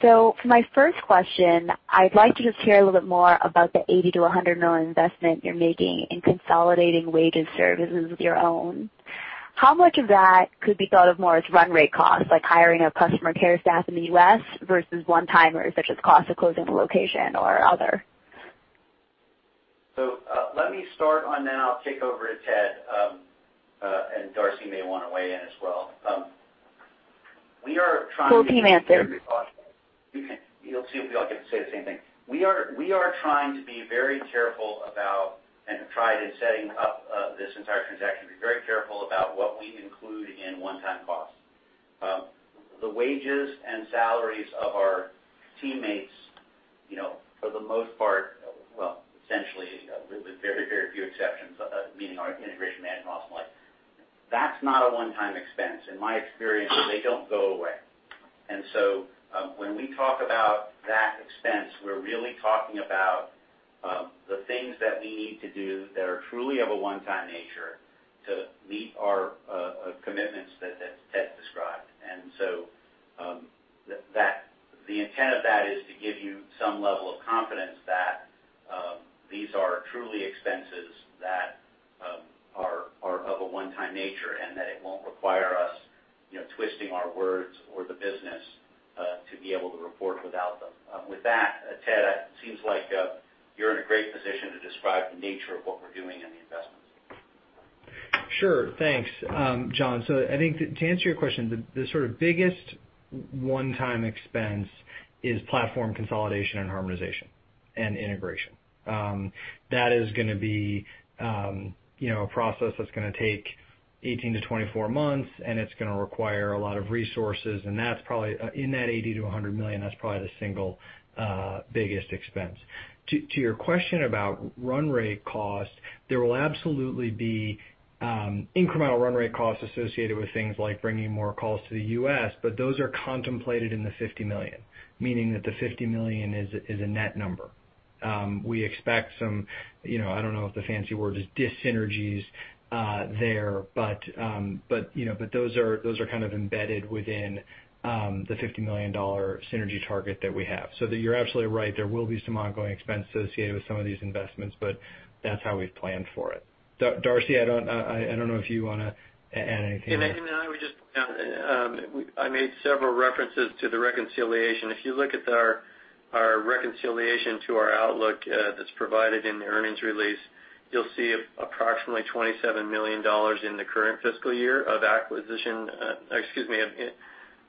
For my first question, I'd like to just hear a little bit more about the $80 million-$100 million investment you're making in consolidating WageWorks and services of your own. How much of that could be thought of more as run rate costs, like hiring a customer care staff in the U.S. versus one-timers, such as cost of closing a location or other? Let me start on that, and I'll kick over to Ted, and Darcy may want to weigh in as well. Full team answer. You'll see we all get to say the same thing. We are trying to be very careful about, and have tried in setting up this entire transaction, to be very careful about what we include in one-time costs. The wages and salaries of our teammates, for the most part, well, essentially, with very, very few exceptions, meaning our integration management operating life, that's not a one-time expense. In my experience, they don't go away. When we talk about that expense, we're really talking about the things that we need to do that are truly of a one-time nature to meet our commitments that Ted described. The intent of that is to give you some level of confidence that these are truly expenses that are of a one-time nature, and that it won't require us twisting our words or the business to be able to report without them. With that, Ted, seems like you're in a great position to describe the nature of what we're doing and the investments. Sure. Thanks, Jon. I think to answer your question, the sort of biggest one-time expense is platform consolidation and harmonization and integration. That is going to be a process that's going to take 18 to 24 months, and it's going to require a lot of resources. In that $80 million to $100 million, that's probably the single biggest expense. To your question about run rate cost, there will absolutely be incremental run rate costs associated with things like bringing more calls to the U.S., but those are contemplated in the $50 million, meaning that the $50 million is a net number. We expect some, I don't know what the fancy word is, dyssynergies there. Those are kind of embedded within the $50 million synergy target that we have. That you're absolutely right, there will be some ongoing expense associated with some of these investments, that's how we've planned for it. Darcy, I don't know if you want to add anything. Yeah, I think we just pointed out, I made several references to the reconciliation. If you look at our reconciliation to our outlook that's provided in the earnings release, you'll see approximately $27 million in the current fiscal year of acquisition.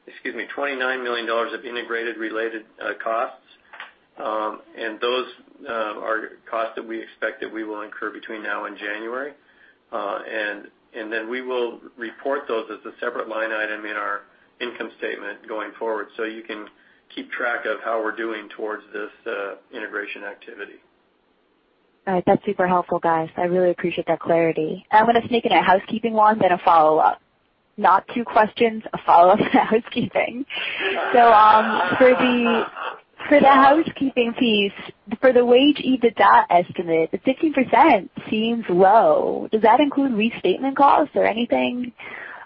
Excuse me, $29 million of integrated related costs. Those are costs that we expect that we will incur between now and January. We will report those as a separate line item in our income statement going forward so you can keep track of how we're doing towards this integration activity. All right. That's super helpful, guys. I really appreciate that clarity. I'm going to sneak in a housekeeping one, then a follow-up. Not two questions, a follow-up and a housekeeping. For the housekeeping piece, for the WageWorks EBITDA estimate, the 15% seems low. Does that include restatement costs or anything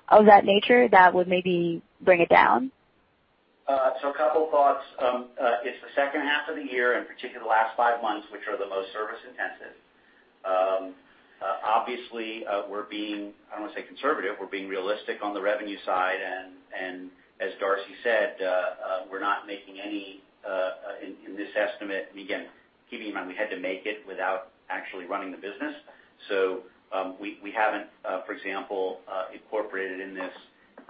of that nature that would maybe bring it down? A couple thoughts. It's the second half of the year, in particular the last five months, which are the most service intensive. Obviously, we're being, I don't want to say conservative, we're being realistic on the revenue side, and as Darcy said, we're not making any in this estimate, and again, keeping in mind we had to make it without actually running the business. We haven't, for example, incorporated in this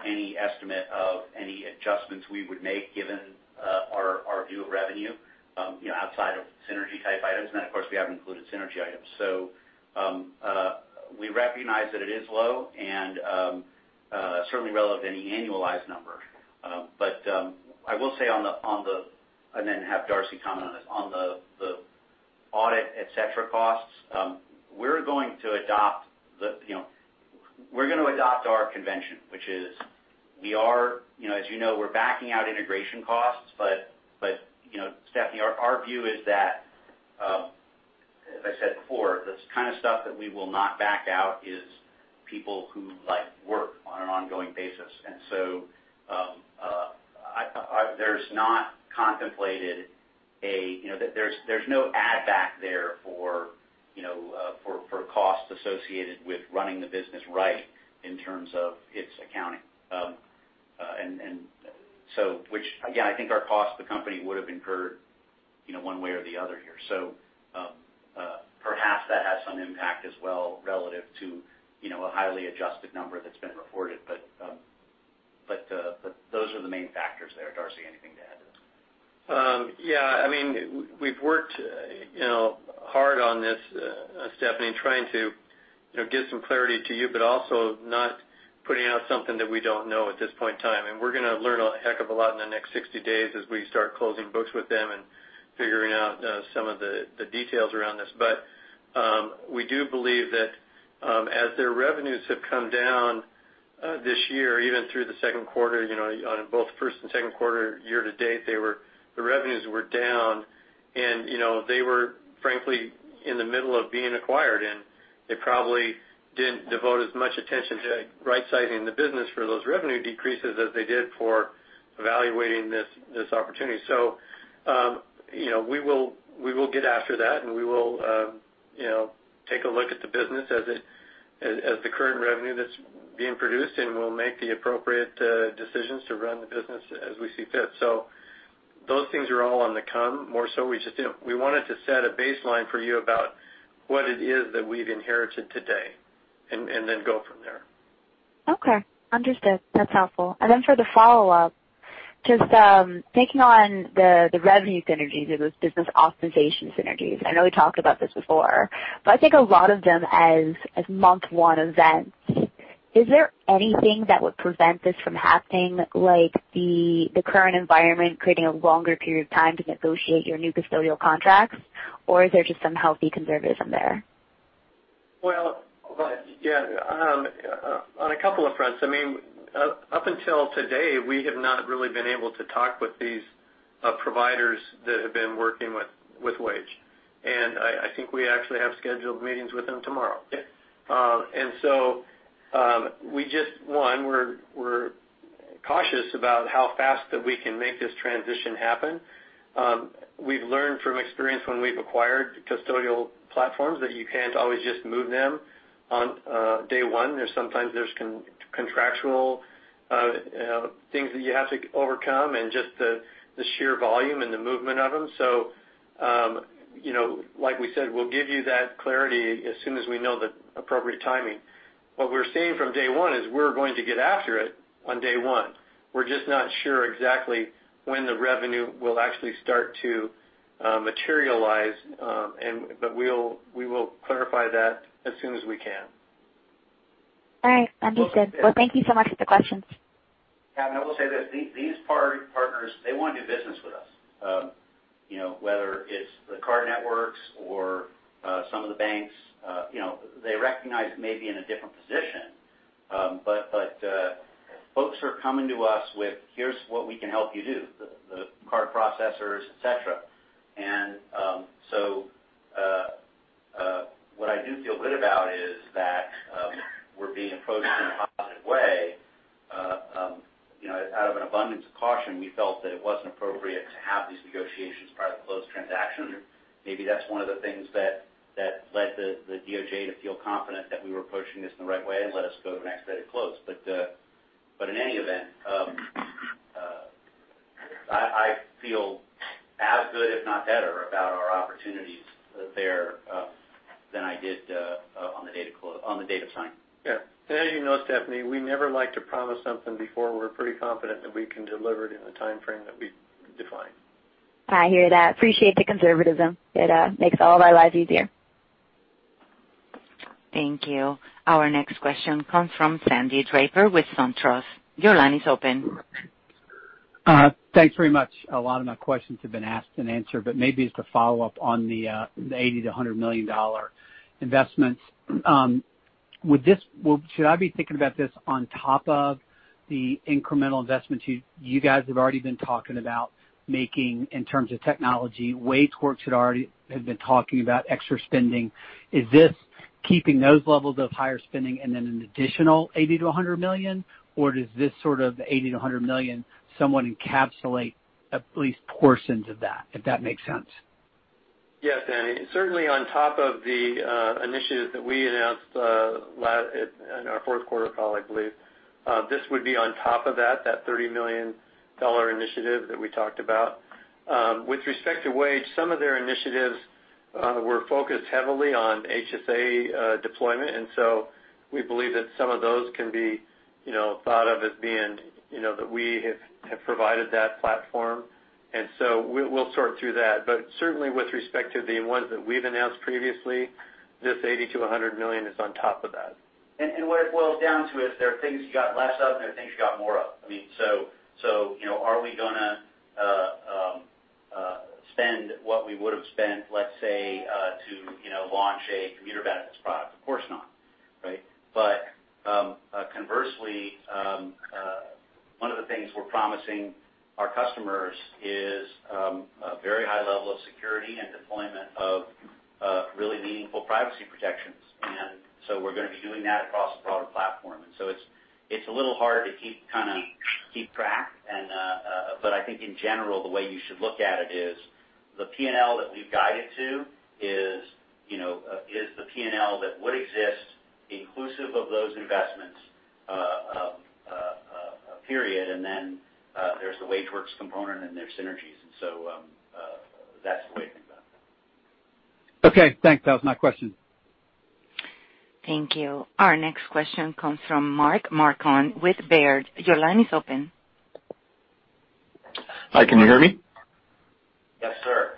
any estimate of any adjustments we would make given our view of revenue, outside of synergy type items, and then of course, we haven't included synergy items. We recognize that it is low and certainly relevant in the annualized number. I will say and then have Darcy comment on this, on the audit, et cetera, costs, we're going to adopt our convention, which is, as you know, we're backing out integration costs. Stephanie, our view is that, as I said before, the kind of stuff that we will not back out is people who work on an ongoing basis. There's no add back there for costs associated with running the business right in terms of its accounting. Which again, I think our cost, the company would have incurred one way or the other here. Perhaps that has some impact as well relative to a highly adjusted number that's been reported. Those are the main factors there. Darcy, anything to add to this? Yeah. We've worked hard on this, Stephanie, trying to give some clarity to you, but also not putting out something that we don't know at this point in time. We're going to learn a heck of a lot in the next 60 days as we start closing books with them and figuring out some of the details around this. We do believe that as their revenues have come down this year, even through the second quarter, on both first and second quarter year to date, the revenues were down and they were frankly in the middle of being acquired, and they probably didn't devote as much attention to rightsizing the business for those revenue decreases as they did for evaluating this opportunity. We will get after that and we will take a look at the business as the current revenue that's being produced, and we'll make the appropriate decisions to run the business as we see fit. Those things are all on the come more so we wanted to set a baseline for you about what it is that we've inherited today and then go from there. Okay, understood. That's helpful. For the follow-up, just thinking on the revenue synergies or those business optimization synergies. I know we talked about this before, but I think a lot of them as month one events, is there anything that would prevent this from happening, like the current environment creating a longer period of time to negotiate your new custodial contracts? Or is there just some healthy conservatism there? Well, yeah. On a couple of fronts. Up until today, we have not really been able to talk with these providers that have been working with Wage. I think we actually have scheduled meetings with them tomorrow. Yeah. One, we're cautious about how fast that we can make this transition happen. We've learned from experience when we've acquired custodial platforms that you can't always just move them on day one. There's sometimes there's contractual things that you have to overcome and just the sheer volume and the movement of them. Like we said, we'll give you that clarity as soon as we know the appropriate timing. What we're saying from day one is we're going to get after it on day one. We're just not sure exactly when the revenue will actually start to materialize. We will clarify that as soon as we can. All right. Understood. Thank you so much for the questions. I will say this, these partners, they want to do business with us. Whether it's the card networks or some of the banks, they recognize it may be in a different position. Folks are coming to us with, "Here's what we can help you do," the card processors, et cetera. What I do feel good about is that we're being approached in a positive way. Out of an abundance of caution, we felt that it wasn't appropriate to have these negotiations prior to close transaction. Maybe that's one of the things that led the DOJ to feel confident that we were approaching this in the right way and let us go to an expedited close. In any event, I feel as good, if not better, about our opportunities there than I did on the date of sign. Yeah. As you know, Stephanie, we never like to promise something before we're pretty confident that we can deliver it in the timeframe that we define. I hear that. Appreciate the conservatism. It makes all of our lives easier. Thank you. Our next question comes from Sandy Draper with SunTrust. Your line is open. Thanks very much. A lot of my questions have been asked and answered, maybe just a follow-up on the $80 million-$100 million investments. Should I be thinking about this on top of the incremental investments you guys have already been talking about making in terms of technology? WageWorks had already been talking about extra spending. Is this keeping those levels of higher spending and then an additional $80 million-$100 million? Does this sort of $80 million-$100 million somewhat encapsulate at least portions of that, if that makes sense? Yes, Sandy. Certainly on top of the initiative that we announced in our fourth quarter call, I believe. This would be on top of that $30 million initiative that we talked about. With respect to Wage, some of their initiatives were focused heavily on HSA deployment, we believe that some of those can be thought of as being, that we have provided that platform. We'll sort through that. Certainly with respect to the ones that we've announced previously, this $80 million-$100 million is on top of that. What it boils down to is there are things you got less of, and there are things you got more of. Are we going to spend what we would've spent, let's say, to launch a commuter benefits product? Of course not. Right? Conversely, one of the things we're promising our customers is a very high level of security and deployment of really meaningful privacy protections. We're going to be doing that across the product platform. It's a little hard to keep track. I think in general, the way you should look at it is the P&L that we've guided to is the P&L that would exist inclusive of those investments, period. Then there's the WageWorks component and their synergies. That's the way to think about that. Okay, thanks. That was my question. Thank you. Our next question comes from Mark Marcon with Baird. Your line is open. Hi, can you hear me? Yes, sir.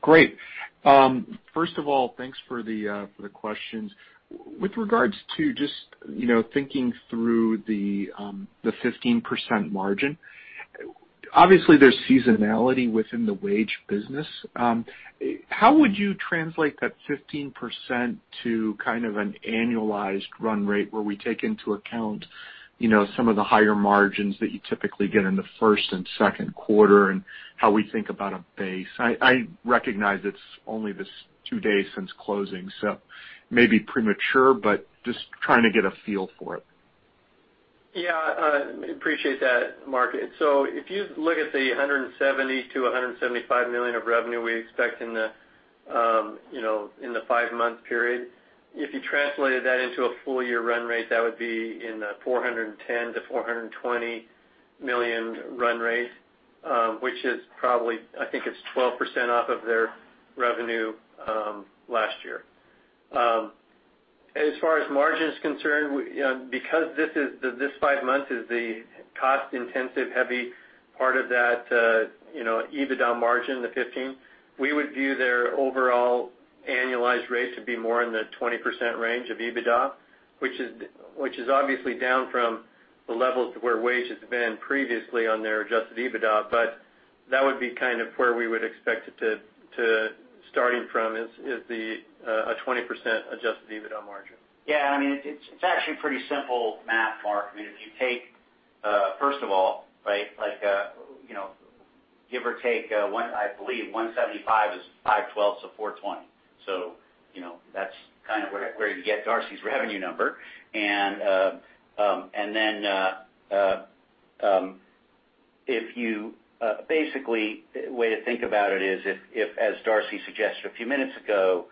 Great. First of all, thanks for the questions. With regards to just thinking through the 15% margin, obviously there's seasonality within the Wage business. How would you translate that 15% to kind of an annualized run rate where we take into account some of the higher margins that you typically get in the first and second quarter, and how we think about a base? I recognize it's only two days since closing, so it may be premature, but just trying to get a feel for it. Yeah, I appreciate that, Mark. If you look at the $170 million to $175 million of revenue we expect in the five-month period, if you translated that into a full year run rate, that would be in the $410 million to $420 million run rate, which is probably, I think it's 12% off of their revenue last year. As far as margin's concerned, because this five months is the cost-intensive, heavy part of that EBITDA margin, the 15%, we would view their overall annualized rates to be more in the 20% range of EBITDA, which is obviously down from the levels where Wage has been previously on their adjusted EBITDA. That would be kind of where we would expect it to starting from, is a 20% adjusted EBITDA margin. Yeah, it's actually pretty simple math, Mark. If you take, first of all, give or take, I believe, $175 million is $410 million to $420 million. That's kind of where you get Darcy's revenue number. If you, basically, way to think about it is if, as Darcy suggested a few minutes ago,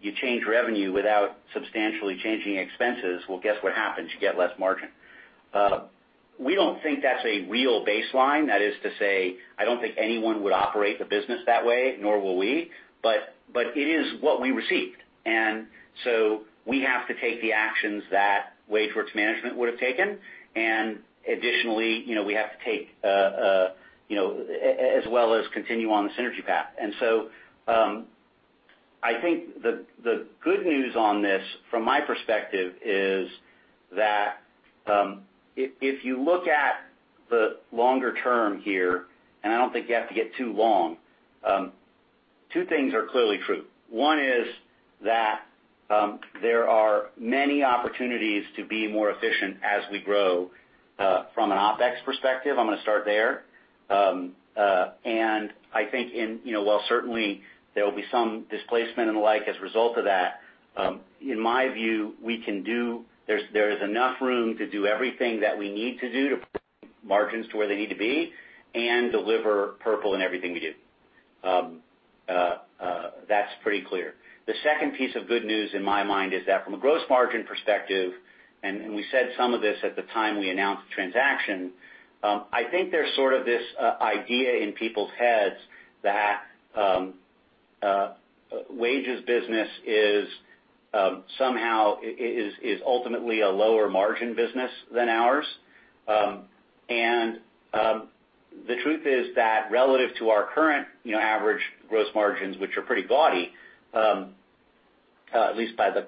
you change revenue without substantially changing expenses, well, guess what happens? You get less margin. We don't think that's a real baseline. That is to say, I don't think anyone would operate the business that way, nor will we. It is what we received, and we have to take the actions that WageWorks management would've taken, and additionally, we have to take as well as continue on the synergy path. I think the good news on this, from my perspective, is that if you look at the longer term here, and I don't think you have to get too long, two things are clearly true. One is that there are many opportunities to be more efficient as we grow from an OpEx perspective, I'm going to start there. I think in while certainly there will be some displacement and the like as a result of that, in my view, there is enough room to do everything that we need to do to margins to where they need to be and deliver Purple in everything we do. That's pretty clear. The second piece of good news in my mind is that from a gross margin perspective, we said some of this at the time we announced the transaction, I think there's sort of this idea in people's heads that WageWorks business is somehow, is ultimately a lower margin business than ours. The truth is that relative to our current average gross margins, which are pretty gaudy, at least by the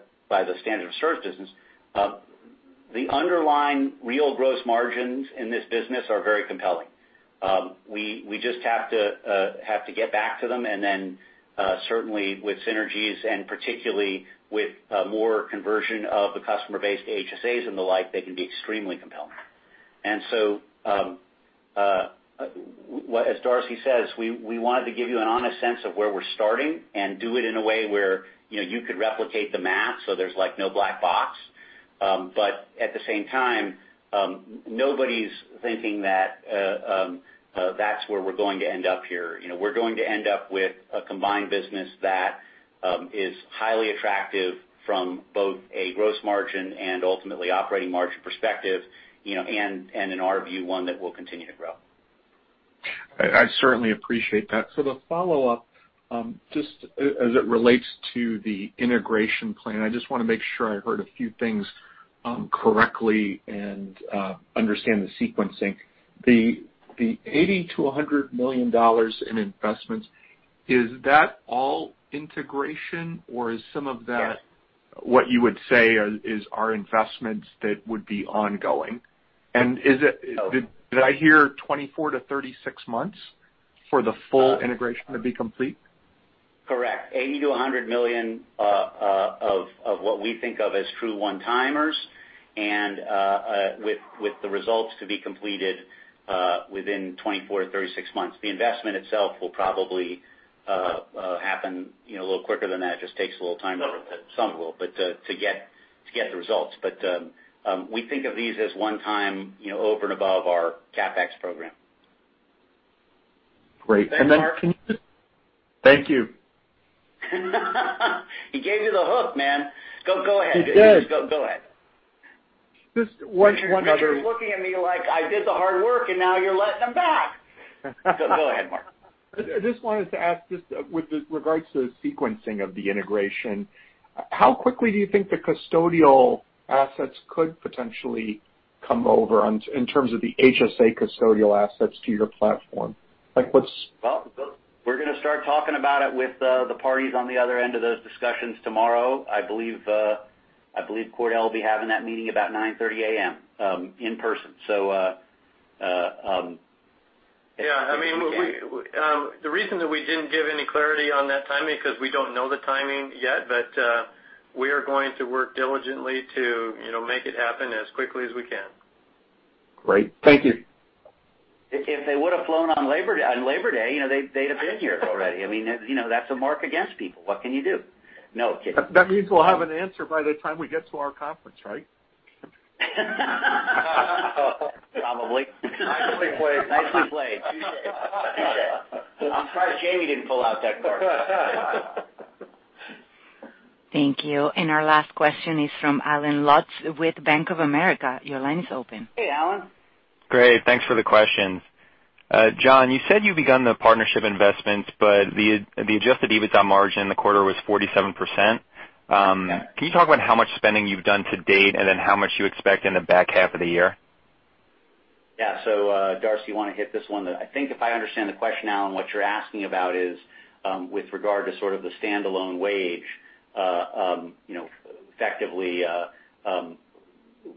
standard of service business, the underlying real gross margins in this business are very compelling. We just have to get back to them and then certainly with synergies and particularly with more conversion of the customer base to HSAs and the like, they can be extremely compelling. As Darcy says, we wanted to give you an honest sense of where we're starting and do it in a way where you could replicate the math so there's no black box. At the same time, nobody's thinking that that's where we're going to end up here. We're going to end up with a combined business that is highly attractive from both a gross margin and ultimately operating margin perspective, and in our view, one that will continue to grow. I certainly appreciate that. The follow-up, just as it relates to the integration plan, I just want to make sure I heard a few things correctly and understand the sequencing. The $80 million to $100 million in investments, is that all integration or is some of that- Yeah what you would say is our investments that would be ongoing? Did I hear 24-36 months for the full integration to be complete? Correct. $80 million-$100 million of what we think of as true one-timers, and with the results to be completed within 24-36 months. The investment itself will probably happen a little quicker than that. Just takes a little time. Some will. Some will. To get the results. We think of these as one time over and above our CapEx program. Great. Can you just Thanks, Mark. Thank you. He gave you the hook, man. Go ahead. He did. Go ahead. Just one other- Richard's looking at me like I did the hard work and now you're letting him back. Go ahead, Mark. I just wanted to ask, just with regards to the sequencing of the integration, how quickly do you think the custodial assets could potentially come over in terms of the HSA custodial assets to your platform? Like what's We're going to start talking about it with the parties on the other end of those discussions tomorrow. I believe Cordell will be having that meeting about 9:30 A.M., in person. The reason that we didn't give any clarity on that timing, because we don't know the timing yet, but we are going to work diligently to make it happen as quickly as we can. Great. Thank you. If they would've flown on Labor Day, they'd have been here already. That's a mark against people. What can you do? No, kidding. That means we'll have an answer by the time we get to our conference, right? Probably. Nicely played. Nicely played. Touche. Touche. I'm surprised Jamie didn't pull out that card. Thank you. Our last question is from Allen Lutz with Bank of America. Your line is open. Hey, Allen. Great. Thanks for the questions. Jon, you said you've begun the partnership investment, but the adjusted EBITDA margin in the quarter was 47%. Yeah. Can you talk about how much spending you've done to date, and then how much you expect in the back half of the year? Yeah. Darcy, you want to hit this one? I think if I understand the question, Allen, what you're asking about is with regard to sort of the standalone WageWorks. Effectively,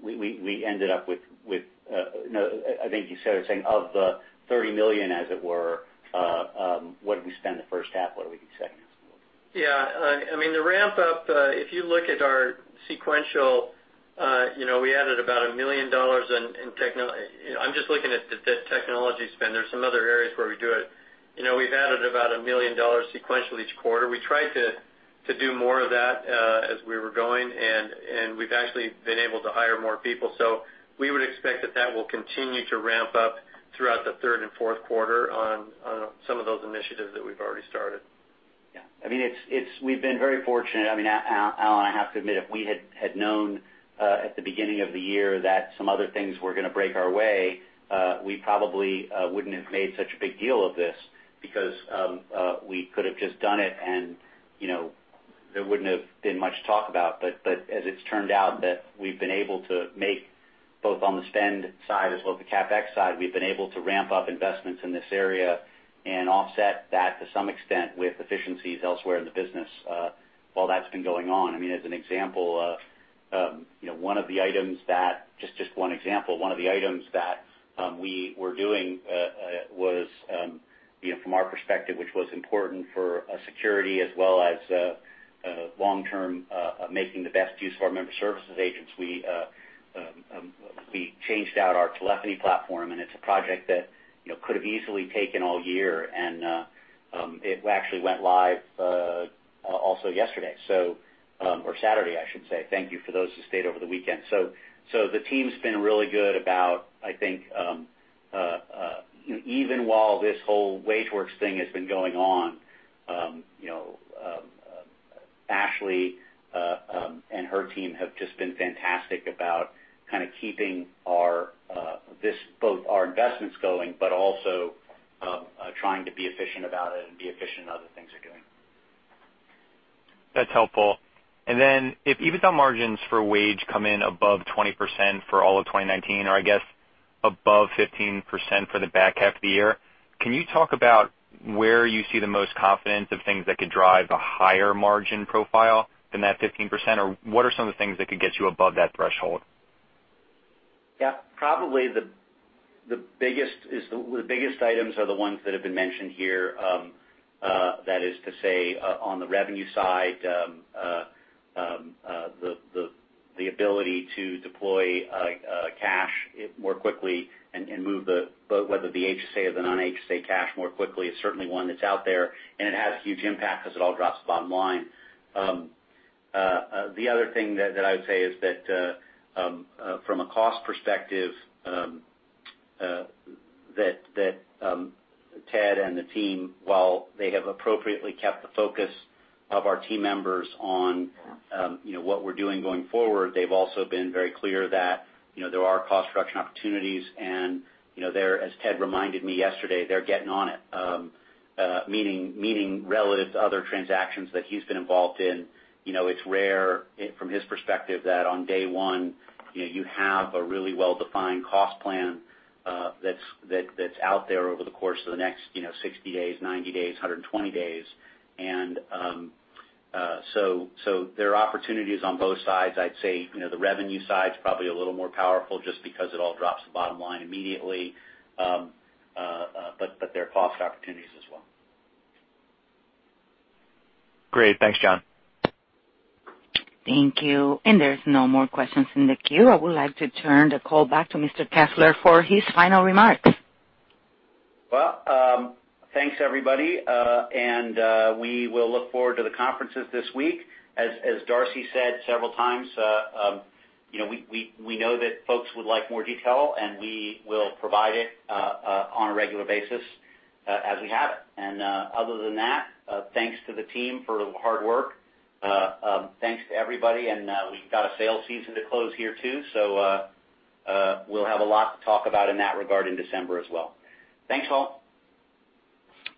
we ended up with No. I think you started saying of the $30 million, as it were, what did we spend the first half? What are we expecting? The ramp up, if you look at our sequential, we have added about $1 million in technology spend. There are some other areas where we do it. We have added about $1 million sequentially each quarter. We tried to do more of that as we were going, and we have actually been able to hire more people. We would expect that that will continue to ramp up throughout the third and fourth quarter on some of those initiatives that we have already started. We have been very fortunate. Allen, I have to admit, if we had known at the beginning of the year that some other things were going to break our way, we probably would not have made such a big deal of this because we could have just done it, and there would not have been much talk about. As it has turned out, that we have been able to make, both on the spend side as well as the CapEx side, we have been able to ramp up investments in this area and offset that to some extent with efficiencies elsewhere in the business while that has been going on. As an example, just one example, one of the items that we were doing was, from our perspective, which was important for security as well as long-term making the best use of our member services agents, we changed out our telephony platform, and it is a project that could have easily taken all year, and it actually went live also yesterday. Or Saturday, I should say. Thank you for those who stayed over the weekend. The team has been really good about, I think even while this whole WageWorks thing has been going on, Ashley and her team have just been fantastic about kind of keeping both our investments going, but also trying to be efficient about it and be efficient in other things they are doing. That is helpful. If EBITDA margins for WageWorks come in above 20% for all of 2019, or I guess above 15% for the back half of the year, can you talk about where you see the most confidence of things that could drive a higher margin profile than that 15%? What are some of the things that could get you above that threshold? Yeah. Probably the biggest items are the ones that have been mentioned here. That is to say, on the revenue side, the ability to deploy cash more quickly and move whether the HSA or the non-HSA cash more quickly is certainly one that's out there, and it has huge impact because it all drops to bottom line. The other thing that I would say is that from a cost perspective, Ted and the team, while they have appropriately kept the focus of our team members on what we're doing going forward, they've also been very clear that there are cost reduction opportunities, and as Ted reminded me yesterday, they're getting on it. Meaning relative to other transactions that he's been involved in, it's rare from his perspective that on day one you have a really well-defined cost plan that's out there over the course of the next 60 days, 90 days, 120 days. So there are opportunities on both sides. I'd say the revenue side's probably a little more powerful just because it all drops to bottom line immediately. There are cost opportunities as well. Great. Thanks, Jon. Thank you. There's no more questions in the queue. I would like to turn the call back to Mr. Kessler for his final remarks. Well, thanks everybody. We will look forward to the conferences this week. As Darcy said several times, we know that folks would like more detail, and we will provide it on a regular basis as we have. Other than that, thanks to the team for the hard work. Thanks to everybody, and we've got a sales season to close here too, so we'll have a lot to talk about in that regard in December as well. Thanks, all.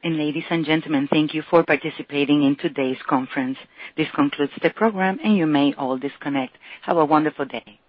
Ladies and gentlemen, thank you for participating in today's conference. This concludes the program, and you may all disconnect. Have a wonderful day.